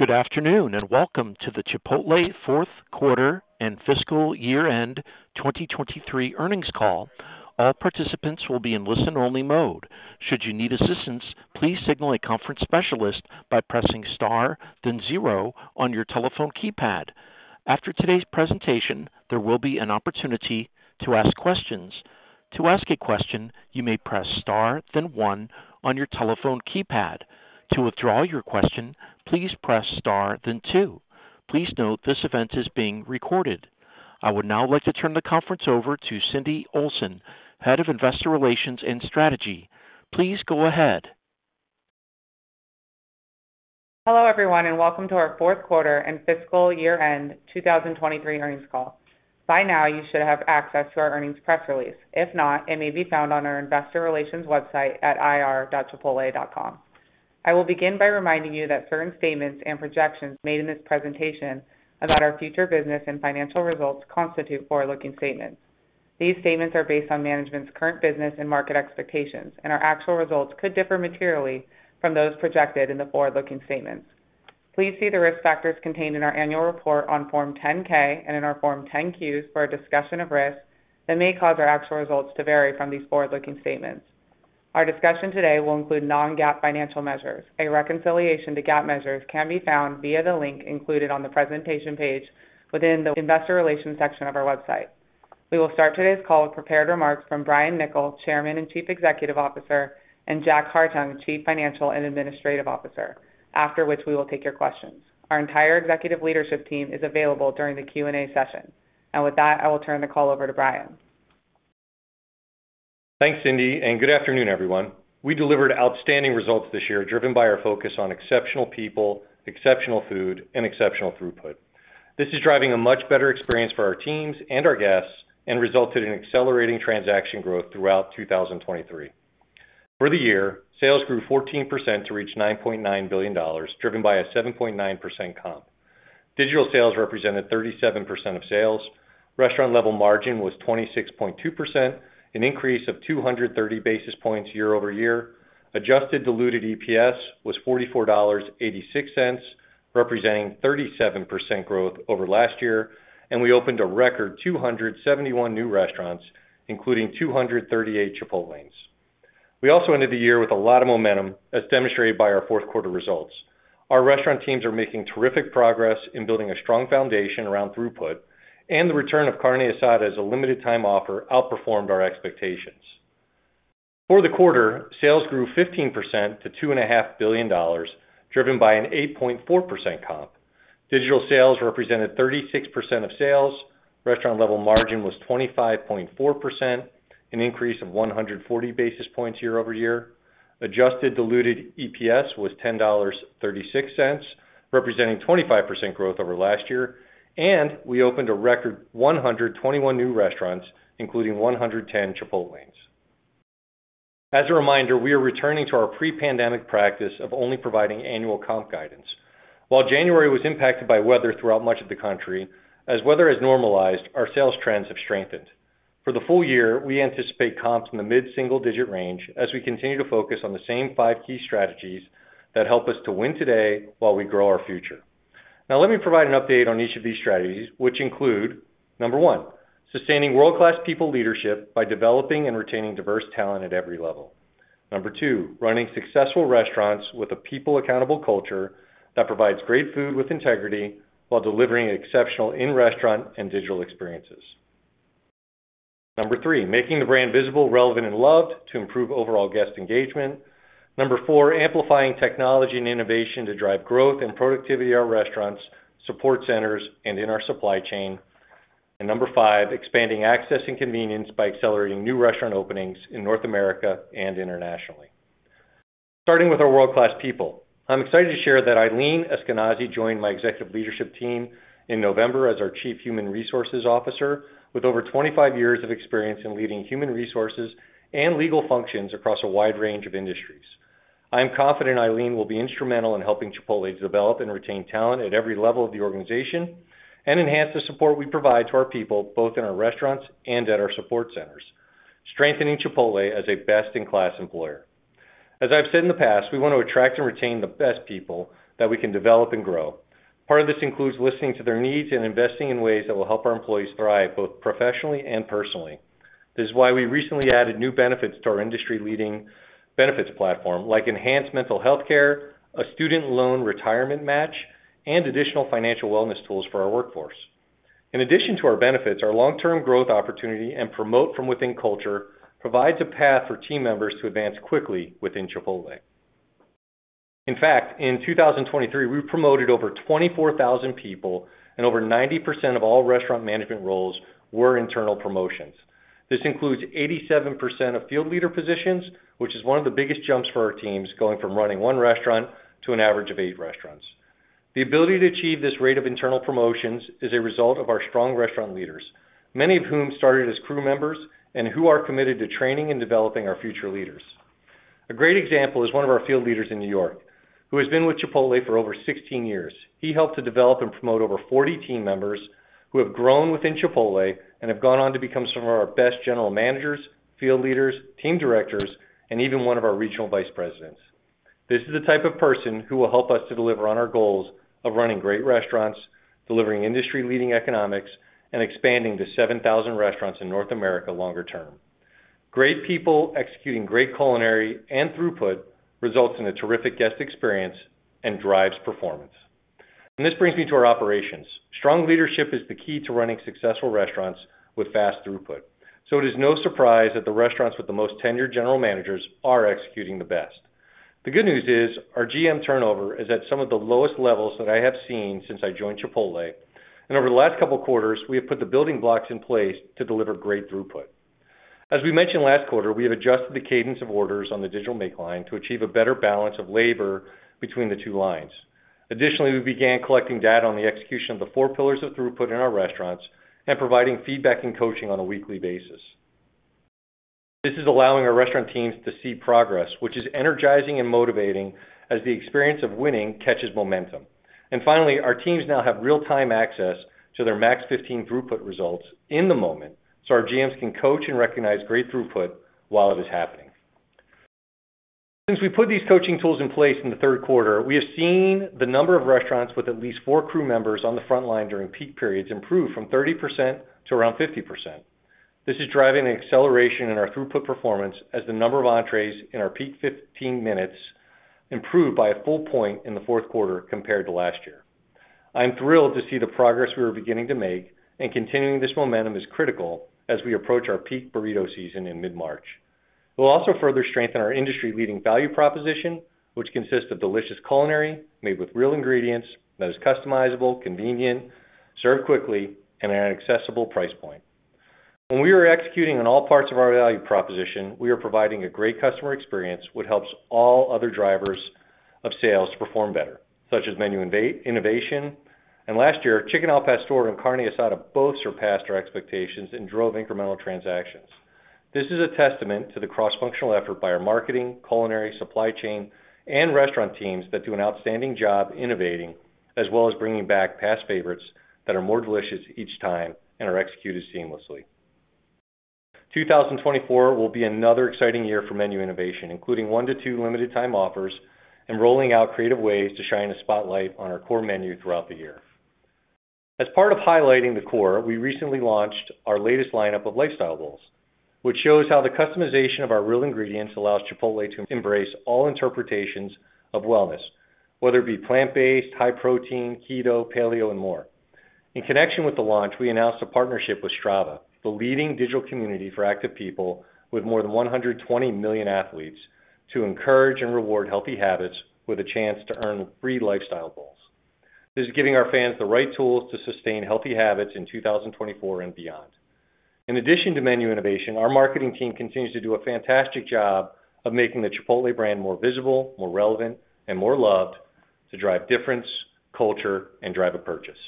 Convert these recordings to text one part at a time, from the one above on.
Good afternoon, and welcome to the Chipotle Fourth Quarter and Fiscal Year-end 2023 earnings call. All participants will be in listen-only mode. Should you need assistance, please signal a conference specialist by pressing * then 0 on your telephone keypad. After today's presentation, there will be an opportunity to ask questions. To ask a question, you may press * then 1 on your telephone keypad. To withdraw your question, please press *, then 2. Please note, this event is being recorded. I would now like to turn the conference over to Cindy Ash, Head of Investor Relations and Strategy. Please go ahead. Hello, everyone, and welcome to our fourth quarter and fiscal year-end 2023 earnings call. By now, you should have access to our earnings press release. If not, it may be found on our investor relations website at ir.chipotle.com. I will begin by reminding you that certain statements and projections made in this presentation about our future business and financial results constitute forward-looking statements. These statements are based on management's current business and market expectations, and our actual results could differ materially from those projected in the forward-looking statements. Please see the risk factors contained in our annual report on Form 10-K and in our Form 10-Qs for a discussion of risks that may cause our actual results to vary from these forward-looking statements. Our discussion today will include non-GAAP financial measures. A reconciliation to GAAP measures can be found via the link included on the presentation page within the investor relations section of our website. We will start today's call with prepared remarks from Brian Niccol, Chairman and Chief Executive Officer, and Jack Hartung, Chief Financial and Administrative Officer, after which we will take your questions. Our entire executive leadership team is available during the Q&A session. With that, I will turn the call over to Brian. Thanks, Cindy, and good afternoon, everyone. We delivered outstanding results this year, driven by our focus on exceptional people, exceptional food, and exceptional throughput. This is driving a much better experience for our teams and our guests and resulted in accelerating transaction growth throughout 2023. For the year, sales grew 14% to reach $9.9 billion, driven by a 7.9% comp. Digital sales represented 37% of sales. Restaurant level margin was 26.2%, an increase of 230 basis points year-over-year. Adjusted diluted EPS was $44.86, representing 37% growth over last year, and we opened a record 271 new restaurants, including 238 Chipotlanes. We also ended the year with a lot of momentum, as demonstrated by our fourth quarter results. Our restaurant teams are making terrific progress in building a strong foundation around throughput, and the return of Carne Asada as a limited time offer outperformed our expectations. For the quarter, sales grew 15% to $2.5 billion, driven by an 8.4% comp. Digital sales represented 36% of sales. restaurant level margin was 25.4%, an increase of 140 basis points year-over-year. Adjusted diluted EPS was $10.36, representing 25% growth over last year, and we opened a record 121 new restaurants, including 110 Chipotlanes. As a reminder, we are returning to our pre-pandemic practice of only providing annual comp guidance. While January was impacted by weather throughout much of the country, as weather has normalized, our sales trends have strengthened. For the full year, we anticipate comps in the mid-single digit range as we continue to focus on the same five key strategies that help us to win today while we grow our future. Now, let me provide an update on each of these strategies, which include, number one, sustaining world-class people leadership by developing and retaining diverse talent at every level. Number two, running successful restaurants with a people-accountable culture that provides great Food with Integrity while delivering exceptional in-restaurant and digital experiences. Number three, making the brand visible, relevant, and loved to improve overall guest engagement. Number four, amplifying technology and innovation to drive growth and productivity at our restaurants, support centers, and in our supply chain. And number five, expanding access and convenience by accelerating new restaurant openings in North America and internationally. Starting with our world-class people, I'm excited to share that Ilene Eskenazi joined my executive leadership team in November as our Chief Human Resources Officer, with over 25 years of experience in leading human resources and legal functions across a wide range of industries. I am confident Ilene will be instrumental in helping Chipotle develop and retain talent at every level of the organization and enhance the support we provide to our people, both in our restaurants and at our support centers, strengthening Chipotle as a best-in-class employer. As I've said in the past, we want to attract and retain the best people that we can develop and grow. Part of this includes listening to their needs and investing in ways that will help our employees thrive, both professionally and personally. This is why we recently added new benefits to our industry-leading benefits platform, like enhanced mental health care, a student loan retirement match, and additional financial wellness tools for our workforce. In addition to our benefits, our long-term growth opportunity and promote from within culture provides a path for team members to advance quickly within Chipotle. In fact, in 2023, we promoted over 24,000 people, and over 90% of all restaurant management roles were internal promotions. This includes 87% of field leader positions, which is one of the biggest jumps for our teams, going from running one restaurant to an average of eight restaurants. The ability to achieve this rate of internal promotions is a result of our strong restaurant leaders, many of whom started as crew members and who are committed to training and developing our future leaders. A great example is one of our field leaders in New York, who has been with Chipotle for over 16 years. He helped to develop and promote over 40 team members who have grown within Chipotle and have gone on to become some of our best general managers, field leaders, team directors, and even one of our regional vice presidents. This is the type of person who will help us to deliver on our goals of running great restaurants, delivering industry-leading economics, and expanding to 7,000 restaurants in North America longer term. Great people executing great culinary and throughput results in a terrific guest experience and drives performance. And this brings me to our operations. Strong leadership is the key to running successful restaurants with fast throughput, so it is no surprise that the restaurants with the most tenured general managers are executing the best. The good news is our GM turnover is at some of the lowest levels that I have seen since I joined Chipotle, and over the last couple of quarters, we have put the building blocks in place to deliver great throughput. As we mentioned last quarter, we have adjusted the cadence of orders on the digital make line to achieve a better balance of labor between the two lines. Additionally, we began collecting data on the execution of the four pillars of throughput in our restaurants and providing feedback and coaching on a weekly basis. This is allowing our restaurant teams to see progress, which is energizing and motivating as the experience of winning catches momentum. Finally, our teams now have real-time access to their Max 15 throughput results in the moment, so our GMs can coach and recognize great throughput while it is happening. Since we put these coaching tools in place in the third quarter, we have seen the number of restaurants with at least 4 crew members on the front line during peak periods improve from 30% to around 50%. This is driving an acceleration in our throughput performance, as the number of entrees in our peak 15 minutes improved by a full point in the fourth quarter compared to last year. I'm thrilled to see the progress we are beginning to make, and continuing this momentum is critical as we approach our peak burrito season in mid-March. We'll also further strengthen our industry-leading value proposition, which consists of delicious culinary made with real ingredients that is customizable, convenient, served quickly, and at an accessible price point. When we are executing on all parts of our value proposition, we are providing a great customer experience, which helps all other drivers of sales to perform better, such as menu innovation. Last year, Chicken al Pastor and Carne Asada both surpassed our expectations and drove incremental transactions. This is a testament to the cross-functional effort by our marketing, culinary, supply chain, and restaurant teams that do an outstanding job innovating, as well as bringing back past favorites that are more delicious each time and are executed seamlessly. 2024 will be another exciting year for menu innovation, including 1-2 limited time offers and rolling out creative ways to shine a spotlight on our core menu throughout the year. As part of highlighting the core, we recently launched our latest lineup of Lifestyle Bowls, which shows how the customization of our real ingredients allows Chipotle to embrace all interpretations of wellness, whether it be plant-based, high protein, keto, paleo, and more. In connection with the launch, we announced a partnership with Strava, the leading digital community for active people with more than 120 million athletes, to encourage and reward healthy habits with a chance to earn free Lifestyle Bowls. This is giving our fans the right tools to sustain healthy habits in 2024 and beyond. In addition to menu innovation, our marketing team continues to do a fantastic job of making the Chipotle brand more visible, more relevant, and more loved to drive difference, culture, and drive a purchase.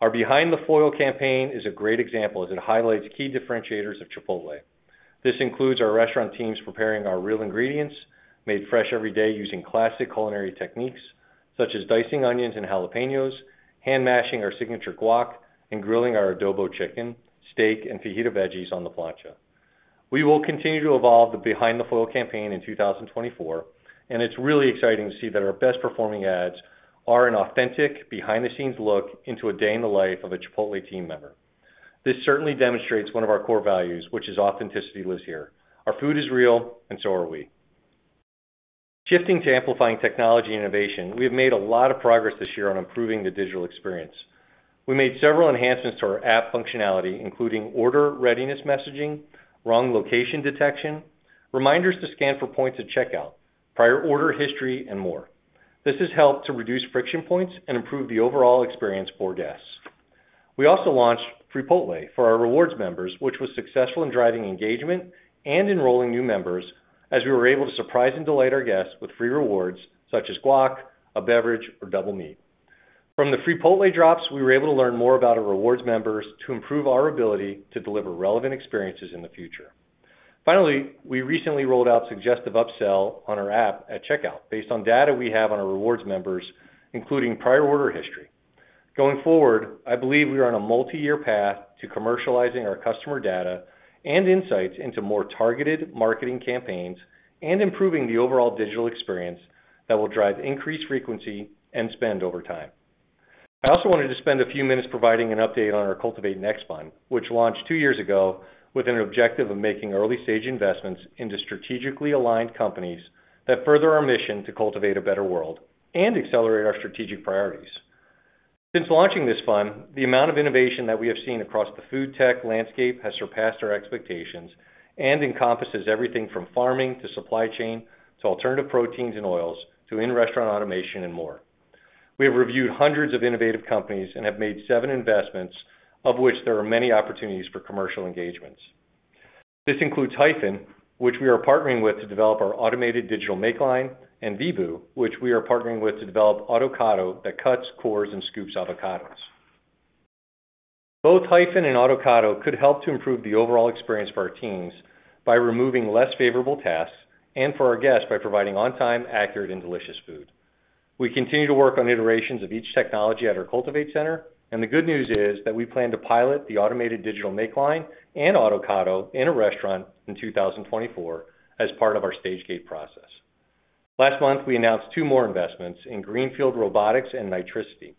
Our Behind the Foil campaign is a great example, as it highlights key differentiators of Chipotle. This includes our restaurant teams preparing our real ingredients, made fresh every day using classic culinary techniques, such as dicing onions and jalapeños, hand-mashing our signature guac, and grilling our adobo chicken, steak, and fajita veggies on the plancha. We will continue to evolve the Behind the Foil campaign in 2024, and it's really exciting to see that our best-performing ads are an authentic, behind-the-scenes look into a day in the life of a Chipotle team member. This certainly demonstrates one of our core values, which is authenticity lives here. Our food is real, and so are we. Shifting to amplifying technology innovation, we have made a lot of progress this year on improving the digital experience. We made several enhancements to our app functionality, including order readiness messaging, wrong location detection, reminders to scan for points at checkout, prior order history, and more. This has helped to reduce friction points and improve the overall experience for guests. We also launched Freepotle for our rewards members, which was successful in driving engagement and enrolling new members, as we were able to surprise and delight our guests with free rewards such as guac, a beverage, or double meat. From the Freepotle drops, we were able to learn more about our rewards members to improve our ability to deliver relevant experiences in the future. Finally, we recently rolled out suggestive upsell on our app at checkout based on data we have on our rewards members, including prior order history. Going forward, I believe we are on a multiyear path to commercializing our customer data and insights into more targeted marketing campaigns and improving the overall digital experience that will drive increased frequency and spend over time. I also wanted to spend a few minutes providing an update on our Cultivate Next fund, which launched two years ago with an objective of making early-stage investments into strategically aligned companies that further our mission to cultivate a better world and accelerate our strategic priorities. Since launching this fund, the amount of innovation that we have seen across the food tech landscape has surpassed our expectations and encompasses everything from farming, to supply chain, to alternative proteins and oils, to in-restaurant automation, and more. We have reviewed hundreds of innovative companies and have made seven investments, of which there are many opportunities for commercial engagements. This includes Hyphen, which we are partnering with to develop our automated digital make line, and Vebu, which we are partnering with to develop Autocado that cuts, cores, and scoops Autocados.... Both Hyphen and Autocado could help to improve the overall experience for our teams by removing less favorable tasks, and for our guests, by providing on-time, accurate, and delicious food. We continue to work on iterations of each technology at our Cultivate Center, and the good news is that we plan to pilot the automated digital make line and Autocado in a restaurant in 2024 as part of our Stage-Gate process. Last month, we announced two more investments in Greenfield Robotics and Nitricity.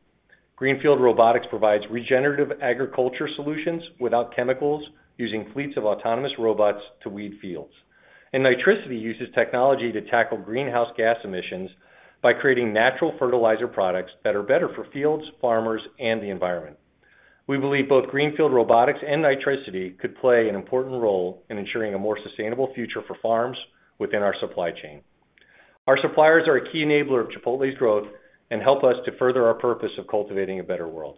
Greenfield Robotics provides regenerative agriculture solutions without chemicals, using fleets of autonomous robots to weed fields. And Nitricity uses technology to tackle greenhouse gas emissions by creating natural fertilizer products that are better for fields, farmers, and the environment. We believe both Greenfield Robotics and Nitricity could play an important role in ensuring a more sustainable future for farms within our supply chain. Our suppliers are a key enabler of Chipotle's growth and help us to further our purpose of cultivating a better world.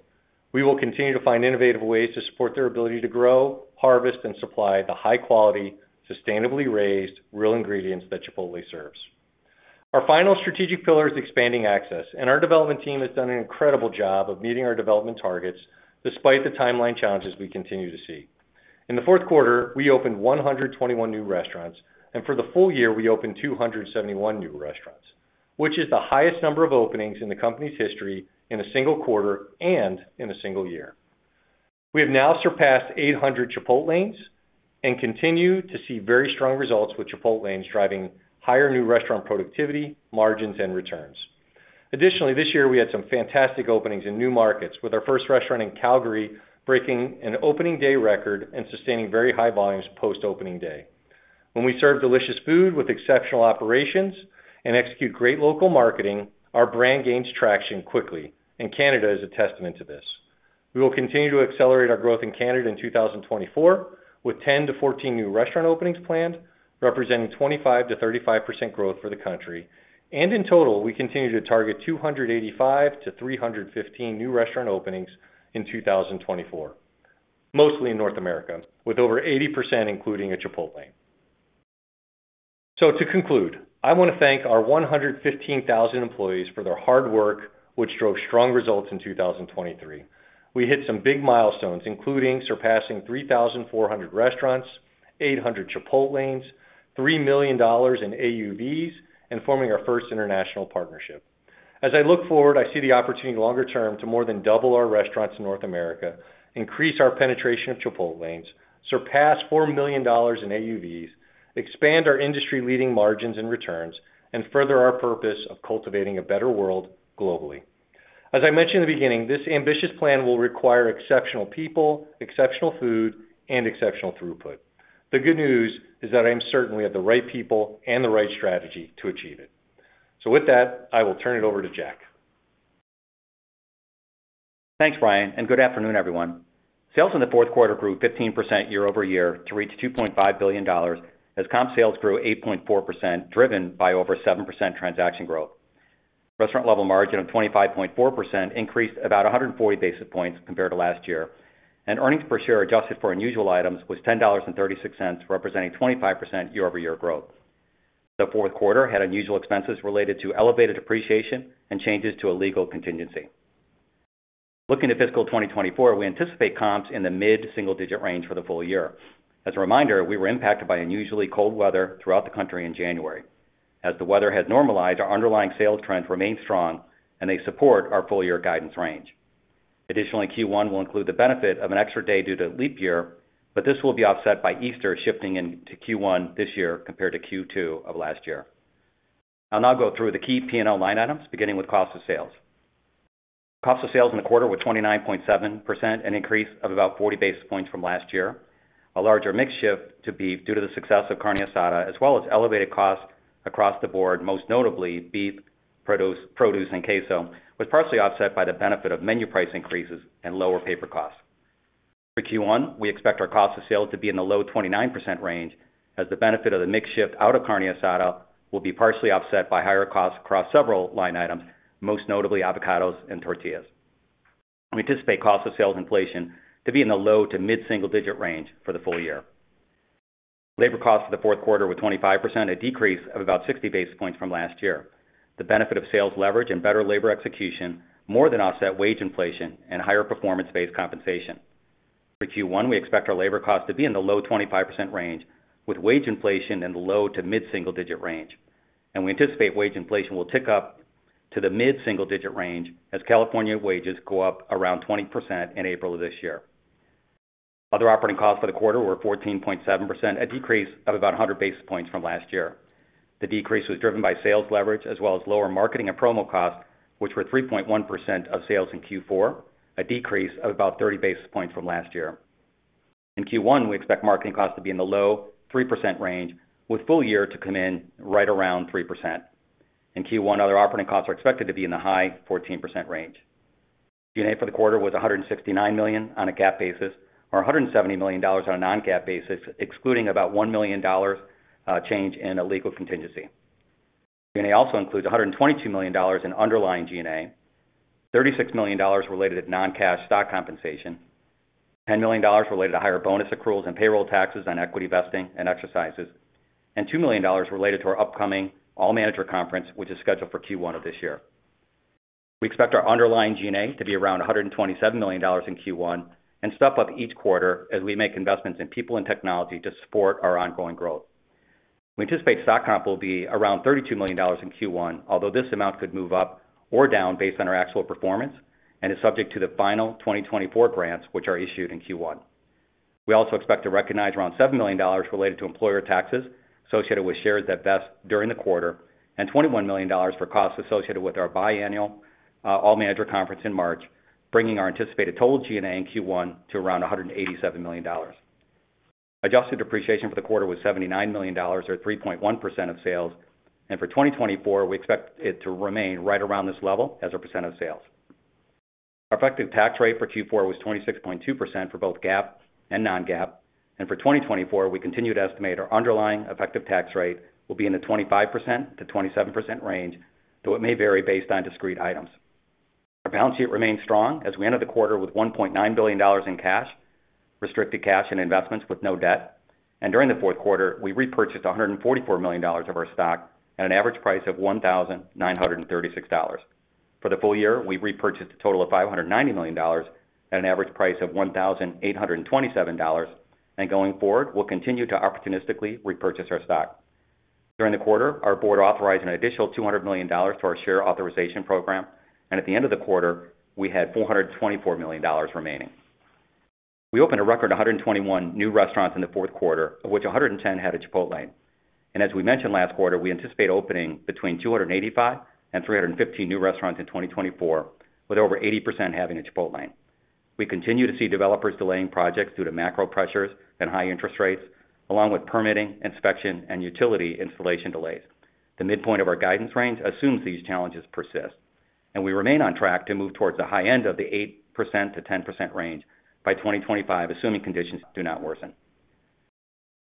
We will continue to find innovative ways to support their ability to grow, harvest, and supply the high quality, sustainably raised, real ingredients that Chipotle serves. Our final strategic pillar is expanding access, and our development team has done an incredible job of meeting our development targets despite the timeline challenges we continue to see. In the fourth quarter, we opened 121 new restaurants, and for the full year, we opened 271 new restaurants, which is the highest number of openings in the company's history in a single quarter and in a single year. We have now surpassed 800 Chipotlanes and continue to see very strong results with Chipotlanes driving higher new restaurant productivity, margins, and returns. Additionally, this year we had some fantastic openings in new markets, with our first restaurant in Calgary breaking an opening day record and sustaining very high volumes post-opening day. When we serve delicious food with exceptional operations and execute great local marketing, our brand gains traction quickly, and Canada is a testament to this. We will continue to accelerate our growth in Canada in 2024, with 10-14 new restaurant openings planned, representing 25%-35% growth for the country. In total, we continue to target 285-315 new restaurant openings in 2024, mostly in North America, with over 80%, including a Chipotlane. To conclude, I want to thank our 115,000 employees for their hard work, which drove strong results in 2023. We hit some big milestones, including surpassing 3,400 restaurants, 800 Chipotlanes, $3 million in AUVs, and forming our first international partnership. As I look forward, I see the opportunity longer term to more than double our restaurants in North America, increase our penetration of Chipotlanes, surpass $4 million in AUVs, expand our industry-leading margins and returns, and further our purpose of cultivating a better world globally. As I mentioned in the beginning, this ambitious plan will require exceptional people, exceptional food, and exceptional throughput. The good news is that I am certain we have the right people and the right strategy to achieve it. So with that, I will turn it over to Jack. Thanks, Brian, and good afternoon, everyone. Sales in the fourth quarter grew 15% year-over-year to reach $2.5 billion, as comp sales grew 8.4%, driven by over 7% transaction growth. Restaurant-level margin of 25.4% increased about 140 basis points compared to last year, and earnings per share, adjusted for unusual items, was $10.36, representing 25% year-over-year growth. The fourth quarter had unusual expenses related to elevated depreciation and changes to a legal contingency. Looking at fiscal 2024, we anticipate comps in the mid-single-digit range for the full year. As a reminder, we were impacted by unusually cold weather throughout the country in January. As the weather has normalized, our underlying sales trends remain strong, and they support our full-year guidance range. Additionally, Q1 will include the benefit of an extra day due to leap year, but this will be offset by Easter shifting into Q1 this year compared to Q2 of last year. I'll now go through the key P&L line items, beginning with cost of sales. Cost of sales in the quarter were 29.7%, an increase of about 40 basis points from last year. A larger mix shift to beef due to the success of Carne Asada, as well as elevated costs across the board, most notably beef, produce, and queso, was partially offset by the benefit of menu price increases and lower paper costs. For Q1, we expect our cost of sales to be in the low 29% range, as the benefit of the mix shift out of Carne Asada will be partially offset by higher costs across several line items, most notably Autocados and tortillas. We anticipate cost of sales inflation to be in the low-to-mid-single-digit range for the full year. Labor costs for the fourth quarter were 25%, a decrease of about 60 basis points from last year. The benefit of sales leverage and better labor execution more than offset wage inflation and higher performance-based compensation. For Q1, we expect our labor costs to be in the low 25% range, with wage inflation in the low-to-mid-single-digit range, and we anticipate wage inflation will tick up to the mid-single-digit range as California wages go up around 20% in April of this year. Other operating costs for the quarter were 14.7%, a decrease of about 100 basis points from last year. The decrease was driven by sales leverage as well as lower marketing and promo costs, which were 3.1% of sales in Q4, a decrease of about 30 basis points from last year. In Q1, we expect marketing costs to be in the low 3% range, with full year to come in right around 3%. In Q1, other operating costs are expected to be in the high 14% range. G&A for the quarter was $169 million on a GAAP basis, or $170 million on a non-GAAP basis, excluding about $1 million change in a legal contingency. G&A also includes $122 million in underlying G&A, $36 million related to non-cash stock compensation, $10 million related to higher bonus accruals and payroll taxes on equity vesting and exercises, and $2 million related to our upcoming All Manager Conference, which is scheduled for Q1 of this year. We expect our underlying G&A to be around $127 million in Q1, and step up each quarter as we make investments in people and technology to support our ongoing growth. We anticipate stock comp will be around $32 million in Q1, although this amount could move up or down based on our actual performance and is subject to the final 2024 grants, which are issued in Q1. We also expect to recognize around $7 million related to employer taxes associated with shares that vest during the quarter and $21 million for costs associated with our biennial All Manager Conference in March, bringing our anticipated total G&A in Q1 to around $187 million. Adjusted depreciation for the quarter was $79 million, or 3.1% of sales. For 2024, we expect it to remain right around this level as a percent of sales. Our effective tax rate for Q4 was 26.2% for both GAAP and non-GAAP, and for 2024, we continue to estimate our underlying effective tax rate will be in the 25%-27% range, though it may vary based on discrete items. Our balance sheet remains strong as we end the quarter with $1.9 billion in cash, restricted cash and investments with no debt. During the fourth quarter, we repurchased $144 million of our stock at an average price of $1,936. For the full year, we repurchased a total of $590 million at an average price of $1,827, and going forward, we'll continue to opportunistically repurchase our stock. During the quarter, our board authorized an additional $200 million to our share authorization program, and at the end of the quarter, we had $424 million remaining. We opened a record 121 new restaurants in the fourth quarter, of which 110 had a Chipotlane. As we mentioned last quarter, we anticipate opening between 285 and 315 new restaurants in 2024, with over 80% having a Chipotlane. We continue to see developers delaying projects due to macro pressures and high interest rates, along with permitting, inspection, and utility installation delays. The midpoint of our guidance range assumes these challenges persist, and we remain on track to move towards the high end of the 8%-10% range by 2025, assuming conditions do not worsen.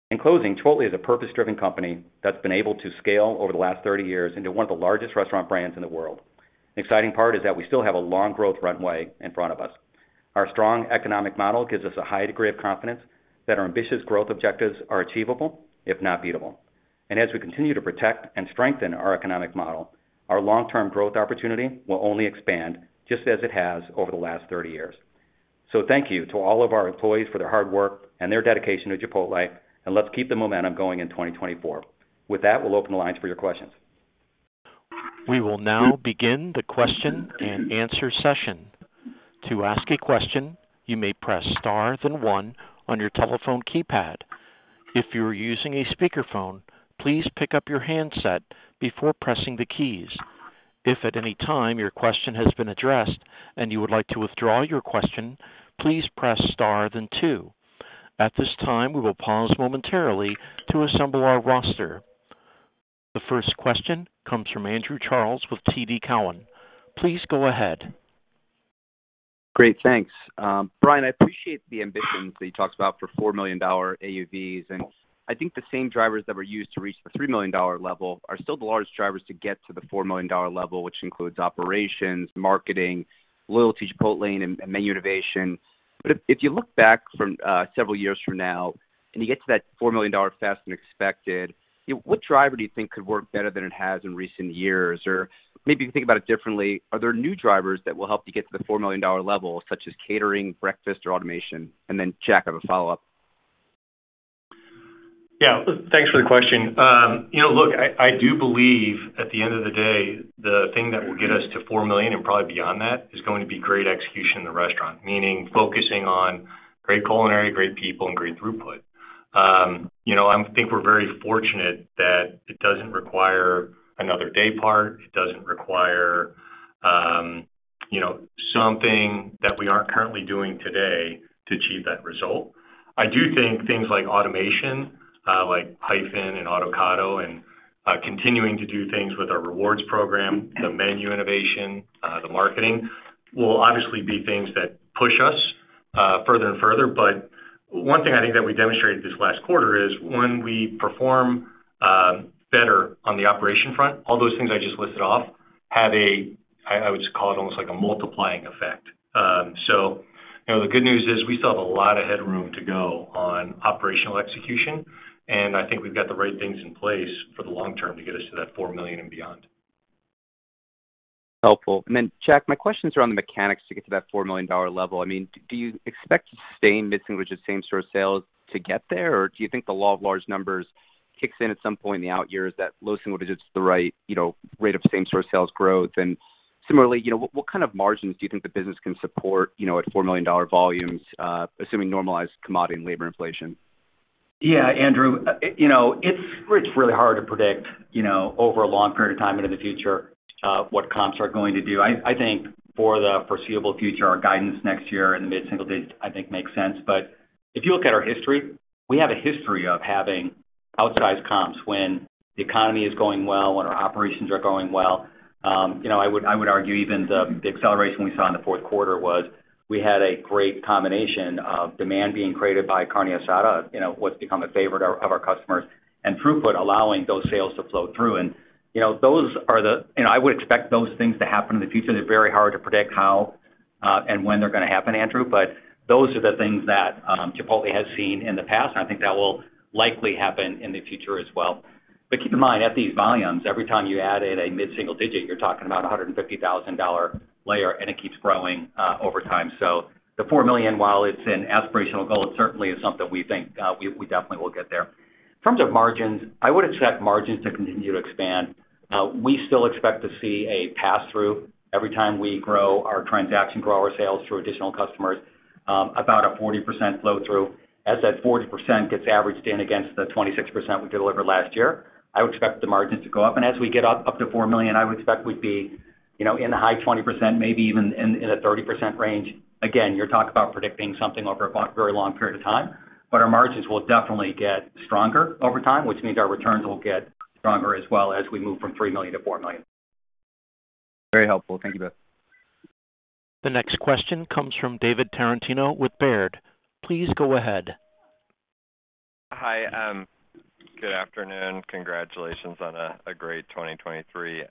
In closing, Chipotle is a purpose-driven company that's been able to scale over the last 30 years into one of the largest restaurant brands in the world. The exciting part is that we still have a long growth runway in front of us. Our strong economic model gives us a high degree of confidence that our ambitious growth objectives are achievable, if not beatable. And as we continue to protect and strengthen our economic model, our long-term growth opportunity will only expand just as it has over the last 30 years. So thank you to all of our employees for their hard work and their dedication to Chipotle, and let's keep the momentum going in 2024. With that, we'll open the lines for your questions. We will now begin the question and answer session. To ask a question, you may press Star, then one on your telephone keypad. If you are using a speakerphone, please pick up your handset before pressing the keys. If at any time your question has been addressed and you would like to withdraw your question, please press Star, then two. At this time, we will pause momentarily to assemble our roster. The first question comes from Andrew Charles with TD Cowen. Please go ahead. Great, thanks. Brian, I appreciate the ambitions that you talked about for $4 million AUVs, and I think the same drivers that were used to reach the $3 million level are still the largest drivers to get to the $4 million level, which includes operations, marketing, loyalty, Chipotlane, and menu innovation. But if you look back from several years from now and you get to that $4 million faster than expected, what driver do you think could work better than it has in recent years? Or maybe you can think about it differently. Are there new drivers that will help you get to the $4 million level, such as catering, breakfast, or automation? And then, Jack, I have a follow-up. Yeah, thanks for the question. You know, look, I do believe at the end of the day, the thing that will get us to $4 million and probably beyond that, is going to be great execution in the restaurant, meaning focusing on great culinary, great people, and great throughput. You know, I think we're very fortunate that it doesn't require another day part. It doesn't require, you know, something that we aren't currently doing today to achieve that result. I do think things like automation, like Hyphen and Autocado, and continuing to do things with our Rewards program, the menu innovation, the marketing, will obviously be things that push us further and further. But one thing I think that we demonstrated this last quarter is when we perform better on the operation front, all those things I just listed off have a, I, I would just call it almost like a multiplying effect. So you know, the good news is we still have a lot of headroom to go on operational execution, and I think we've got the right things in place for the long term to get us to that 4 million and beyond. Helpful. And then, Jack, my questions are on the mechanics to get to that $4 million level. I mean, do you expect to stay in mid-single digits, same store sales to get there? Or do you think the law of large numbers kicks in at some point in the out years, that low single digits is the right, you know, rate of same store sales growth? And similarly, you know, what kind of margins do you think the business can support, you know, at $4 million volumes, assuming normalized commodity and labor inflation? Yeah, Andrew, you know, it's really hard to predict, you know, over a long period of time into the future, what comps are going to do. I think for the foreseeable future, our guidance next year in the mid-single digits, I think, makes sense. But if you look at our history, we have a history of having outsized comps when the economy is going well, when our operations are going well. You know, I would argue even the acceleration we saw in the fourth quarter was we had a great combination of demand being created by Carne Asada, you know, what's become a favorite of our customers, and throughput, allowing those sales to flow through. You know, those are the-- You know, I would expect those things to happen in the future, and it's very hard to predict how.... and when they're gonna happen, Andrew, but those are the things that, Chipotle has seen in the past, and I think that will likely happen in the future as well. But keep in mind, at these volumes, every time you add in a mid-single digit, you're talking about a $150,000 layer, and it keeps growing, over time. So the $4 million, while it's an aspirational goal, it certainly is something we think, we, we definitely will get there. In terms of margins, I would expect margins to continue to expand. We still expect to see a pass-through every time we grow our transaction, grow our sales through additional customers, about a 40% flow-through. As that 40% gets averaged in against the 26% we delivered last year, I would expect the margins to go up. As we get up, up to $4 million, I would expect we'd be, you know, in the high 20%, maybe even in a 30% range. Again, you're talking about predicting something over a long, very long period of time, but our margins will definitely get stronger over time, which means our returns will get stronger as well as we move from $3 million to $4 million. Very helpful. Thank you, both. The next question comes from David Tarantino with Baird. Please go ahead. Hi, good afternoon. Congratulations on a great 2023.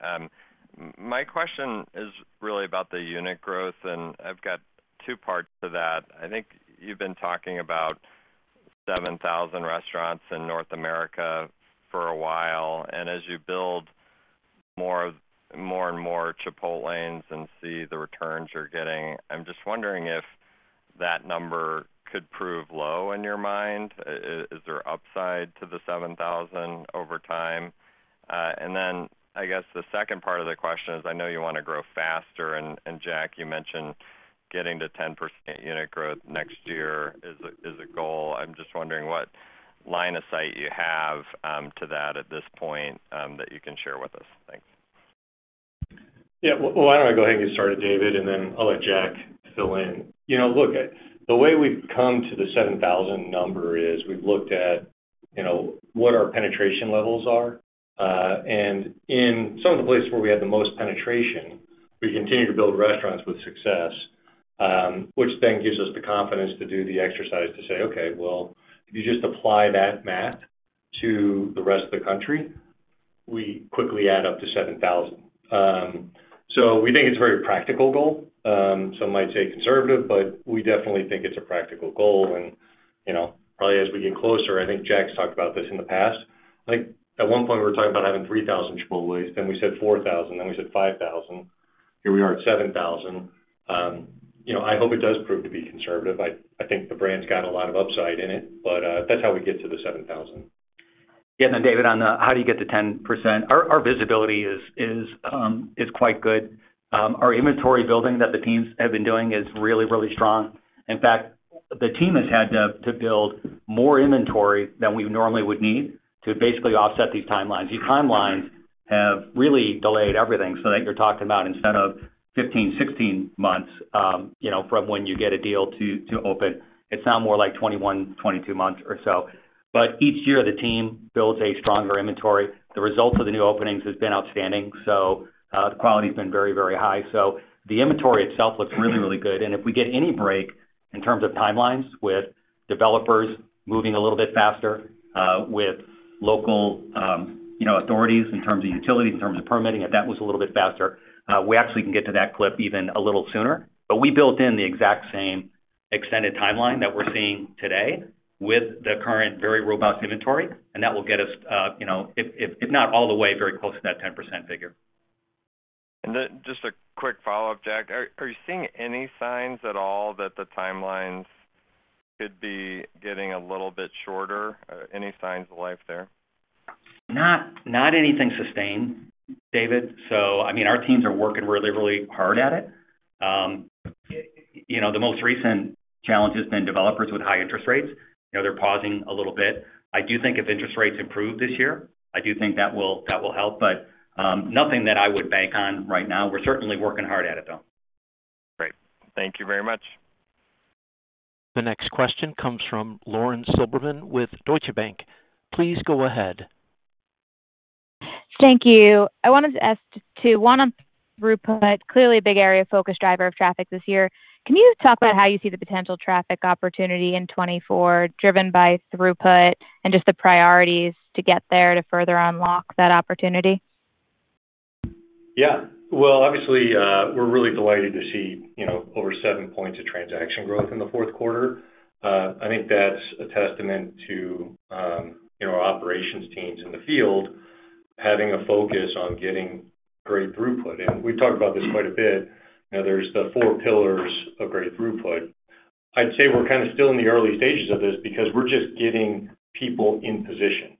My question is really about the unit growth, and I've got two parts to that. I think you've been talking about 7,000 restaurants in North America for a while, and as you build more and more Chipotlanes and see the returns you're getting, I'm just wondering if that number could prove low in your mind. Is there upside to the 7,000 over time? And then I guess the second part of the question is, I know you wanna grow faster, and Jack, you mentioned getting to 10% unit growth next year is a goal. I'm just wondering what line of sight you have to that at this point that you can share with us. Thanks. Yeah. Well, why don't I go ahead and get started, David, and then I'll let Jack fill in. You know, look, the way we've come to the 7,000 number is we've looked at, you know, what our penetration levels are. And in some of the places where we have the most penetration, we continue to build restaurants with success, which then gives us the confidence to do the exercise to say, "Okay, well, if you just apply that math to the rest of the country, we quickly add up to 7,000." So we think it's a very practical goal. Some might say conservative, but we definitely think it's a practical goal. And, you know, probably as we get closer, I think Jack's talked about this in the past, like, at one point, we were talking about having 3,000 Chipotles, then we said 4,000, then we said 5,000. Here we are at 7,000. You know, I hope it does prove to be conservative. I, I think the brand's got a lot of upside in it, but, that's how we get to the 7,000. Yeah. And then David, on the how do you get to 10%, our visibility is quite good. Our inventory building that the teams have been doing is really, really strong. In fact, the team has had to build more inventory than we normally would need to basically offset these timelines. These timelines have really delayed everything so that you're talking about instead of 15-16 months, you know, from when you get a deal to open, it's now more like 21-22 months or so. But each year, the team builds a stronger inventory. The results of the new openings has been outstanding, so the quality's been very, very high. So the inventory itself looks really, really good. If we get any break in terms of timelines, with developers moving a little bit faster, with local, you know, authorities in terms of utilities, in terms of permitting, if that was a little bit faster, we actually can get to that clip even a little sooner. But we built in the exact same extended timeline that we're seeing today with the current very robust inventory, and that will get us, you know, if not all the way, very close to that 10% figure. And then just a quick follow-up, Jack. Are you seeing any signs at all that the timelines could be getting a little bit shorter? Any signs of life there? Not, not anything sustained, David. So I mean, our teams are working really, really hard at it. You know, the most recent challenge has been developers with high interest rates. You know, they're pausing a little bit. I do think if interest rates improve this year, I do think that will, that will help, but, nothing that I would bank on right now. We're certainly working hard at it, though. Great. Thank you very much. The next question comes from Lauren Silberman with Deutsche Bank. Please go ahead. Thank you. I wanted to ask two, one, on throughput, clearly a big area of focus, driver of traffic this year. Can you talk about how you see the potential traffic opportunity in 2024, driven by throughput and just the priorities to get there to further unlock that opportunity? Yeah. Well, obviously, we're really delighted to see, you know, over 7 points of transaction growth in the fourth quarter. I think that's a testament to, you know, our operations teams in the field, having a focus on getting great throughput. We've talked about this quite a bit. You know, there's the Four Pillars of great throughput. I'd say we're kind of still in the early stages of this because we're just getting people in position.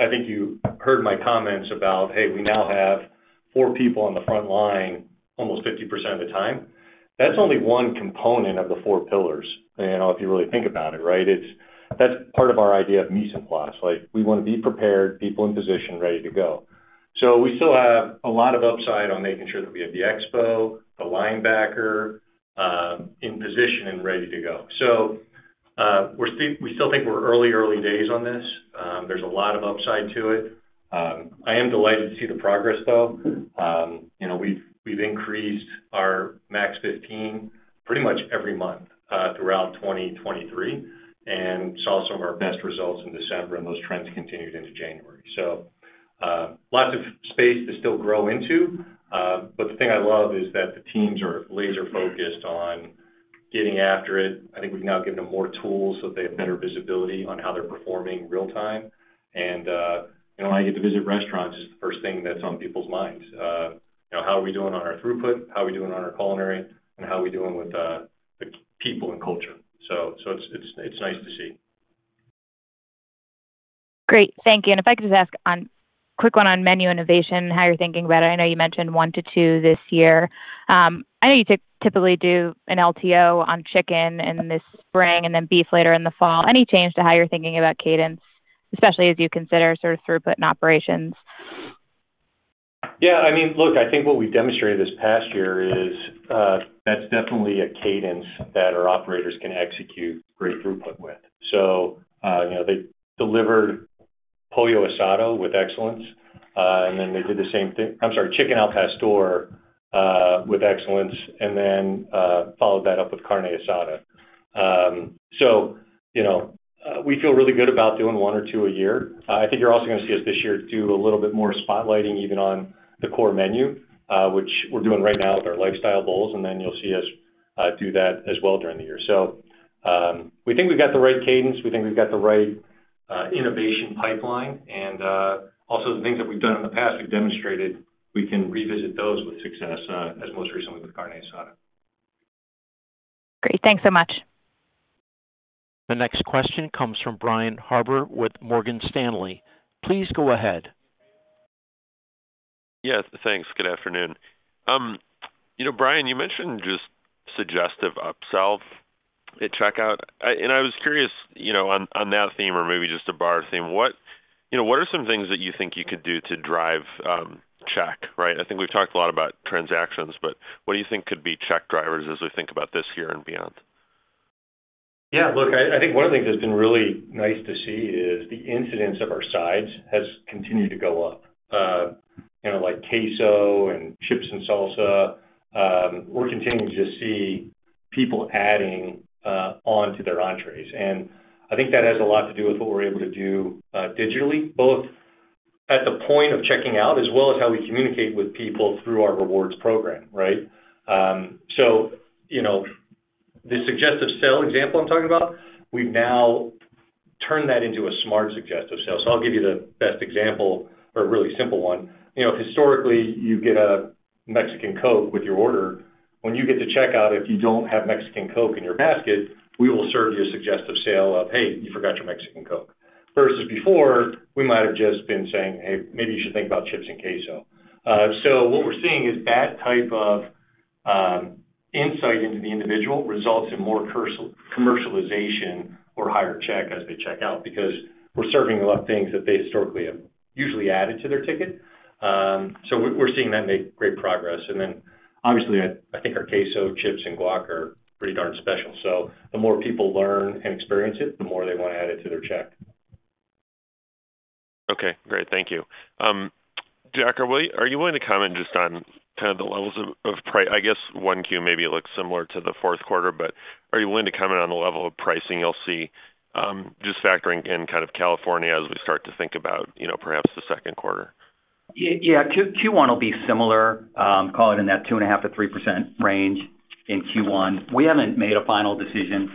I think you heard my comments about, hey, we now have four people on the front line, almost 50% of the time. That's only one component of the Four Pillars. You know, if you really think about it, right? It's, that's part of our idea of mise en place. Like, we wanna be prepared, people in position, ready to go. So we still have a lot of upside on making sure that we have the expo, the linebacker, in position and ready to go. So, we're still—we still think we're early, early days on this. There's a lot of upside to it. I am delighted to see the progress, though. You know, we've, we've increased our Max Fifteen pretty much every month, throughout 2023, and saw some of our best results in December, and those trends continued into January. So, lots of space to still grow into. But the thing I love is that the teams are laser focused on getting after it. I think we've now given them more tools so they have better visibility on how they're performing real time. And, you know, when I get to visit restaurants, it's the first thing that's on people's minds. You know, how are we doing on our throughput? How are we doing on our culinary? And how are we doing with the people and culture? So, it's nice to see. Great. Thank you. And if I could just ask a quick one on menu innovation, how you're thinking about it. I know you mentioned 1-2 this year. I know you typically do an LTO on chicken in the spring and then beef later in the fall. Any change to how you're thinking about cadence, especially as you consider sort of throughput and operations? Yeah, I mean, look, I think what we've demonstrated this past year is, that's definitely a cadence that our operators can execute great throughput with. So, you know, they delivered Pollo Asado with excellence, and then they did the same thing, I'm sorry, Chicken al Pastor, with excellence, and then, followed that up with Carne Asada. So, you know, we feel really good about doing one or two a year. I think you're also gonna see us this year do a little bit more spotlighting, even on the core menu, which we're doing right now with our Lifestyle Bowls, and then you'll see us do that as well during the year. So, we think we've got the right cadence, we think we've got the right innovation pipeline, and also the things that we've done in the past, we've demonstrated we can revisit those with success, as most recently with Carne Asada. Great. Thanks so much. The next question comes from Brian Harbour with Morgan Stanley. Please go ahead. Yes, thanks. Good afternoon. You know, Brian, you mentioned just suggestive upsell at checkout. And I was curious, you know, on, on that theme or maybe just a bar theme, what, you know, what are some things that you think you could do to drive check, right? I think we've talked a lot about transactions, but what do you think could be check drivers as we think about this year and beyond? Yeah, look, I, I think one of the things that's been really nice to see is the incidence of our sides has continued to go up. You know, like queso and chips and salsa. We're continuing to see people adding on to their entrees, and I think that has a lot to do with what we're able to do digitally, both at the point of checking out, as well as how we communicate with people through our rewards program, right? So, you know, the suggestive sale example I'm talking about, we've now turned that into a smart suggestive sale. So I'll give you the best example or a really simple one. You know, historically, you get a Mexican Coke with your order. When you get to checkout, if you don't have Mexican Coke in your basket, we will serve you a suggestive sale of, "Hey, you forgot your Mexican Coke." Versus before, we might have just been saying, "Hey, maybe you should think about chips and queso." So what we're seeing is that type of insight into the individual results in more commercialization or higher check as they check out, because we're serving a lot of things that they historically have usually added to their ticket. So we're seeing that make great progress. And then, obviously, I think our queso, chips, and guac are pretty darn special. So the more people learn and experience it, the more they want to add it to their check. Okay, great. Thank you. Jack, are we, are you willing to comment just on kind of the levels of pricing? I guess Q1 maybe it looks similar to the fourth quarter, but are you willing to comment on the level of pricing you'll see, just factoring in kind of California as we start to think about, you know, perhaps the second quarter? Yeah, Q1 will be similar, call it in that 2.5%-3% range in Q1. We haven't made a final decision,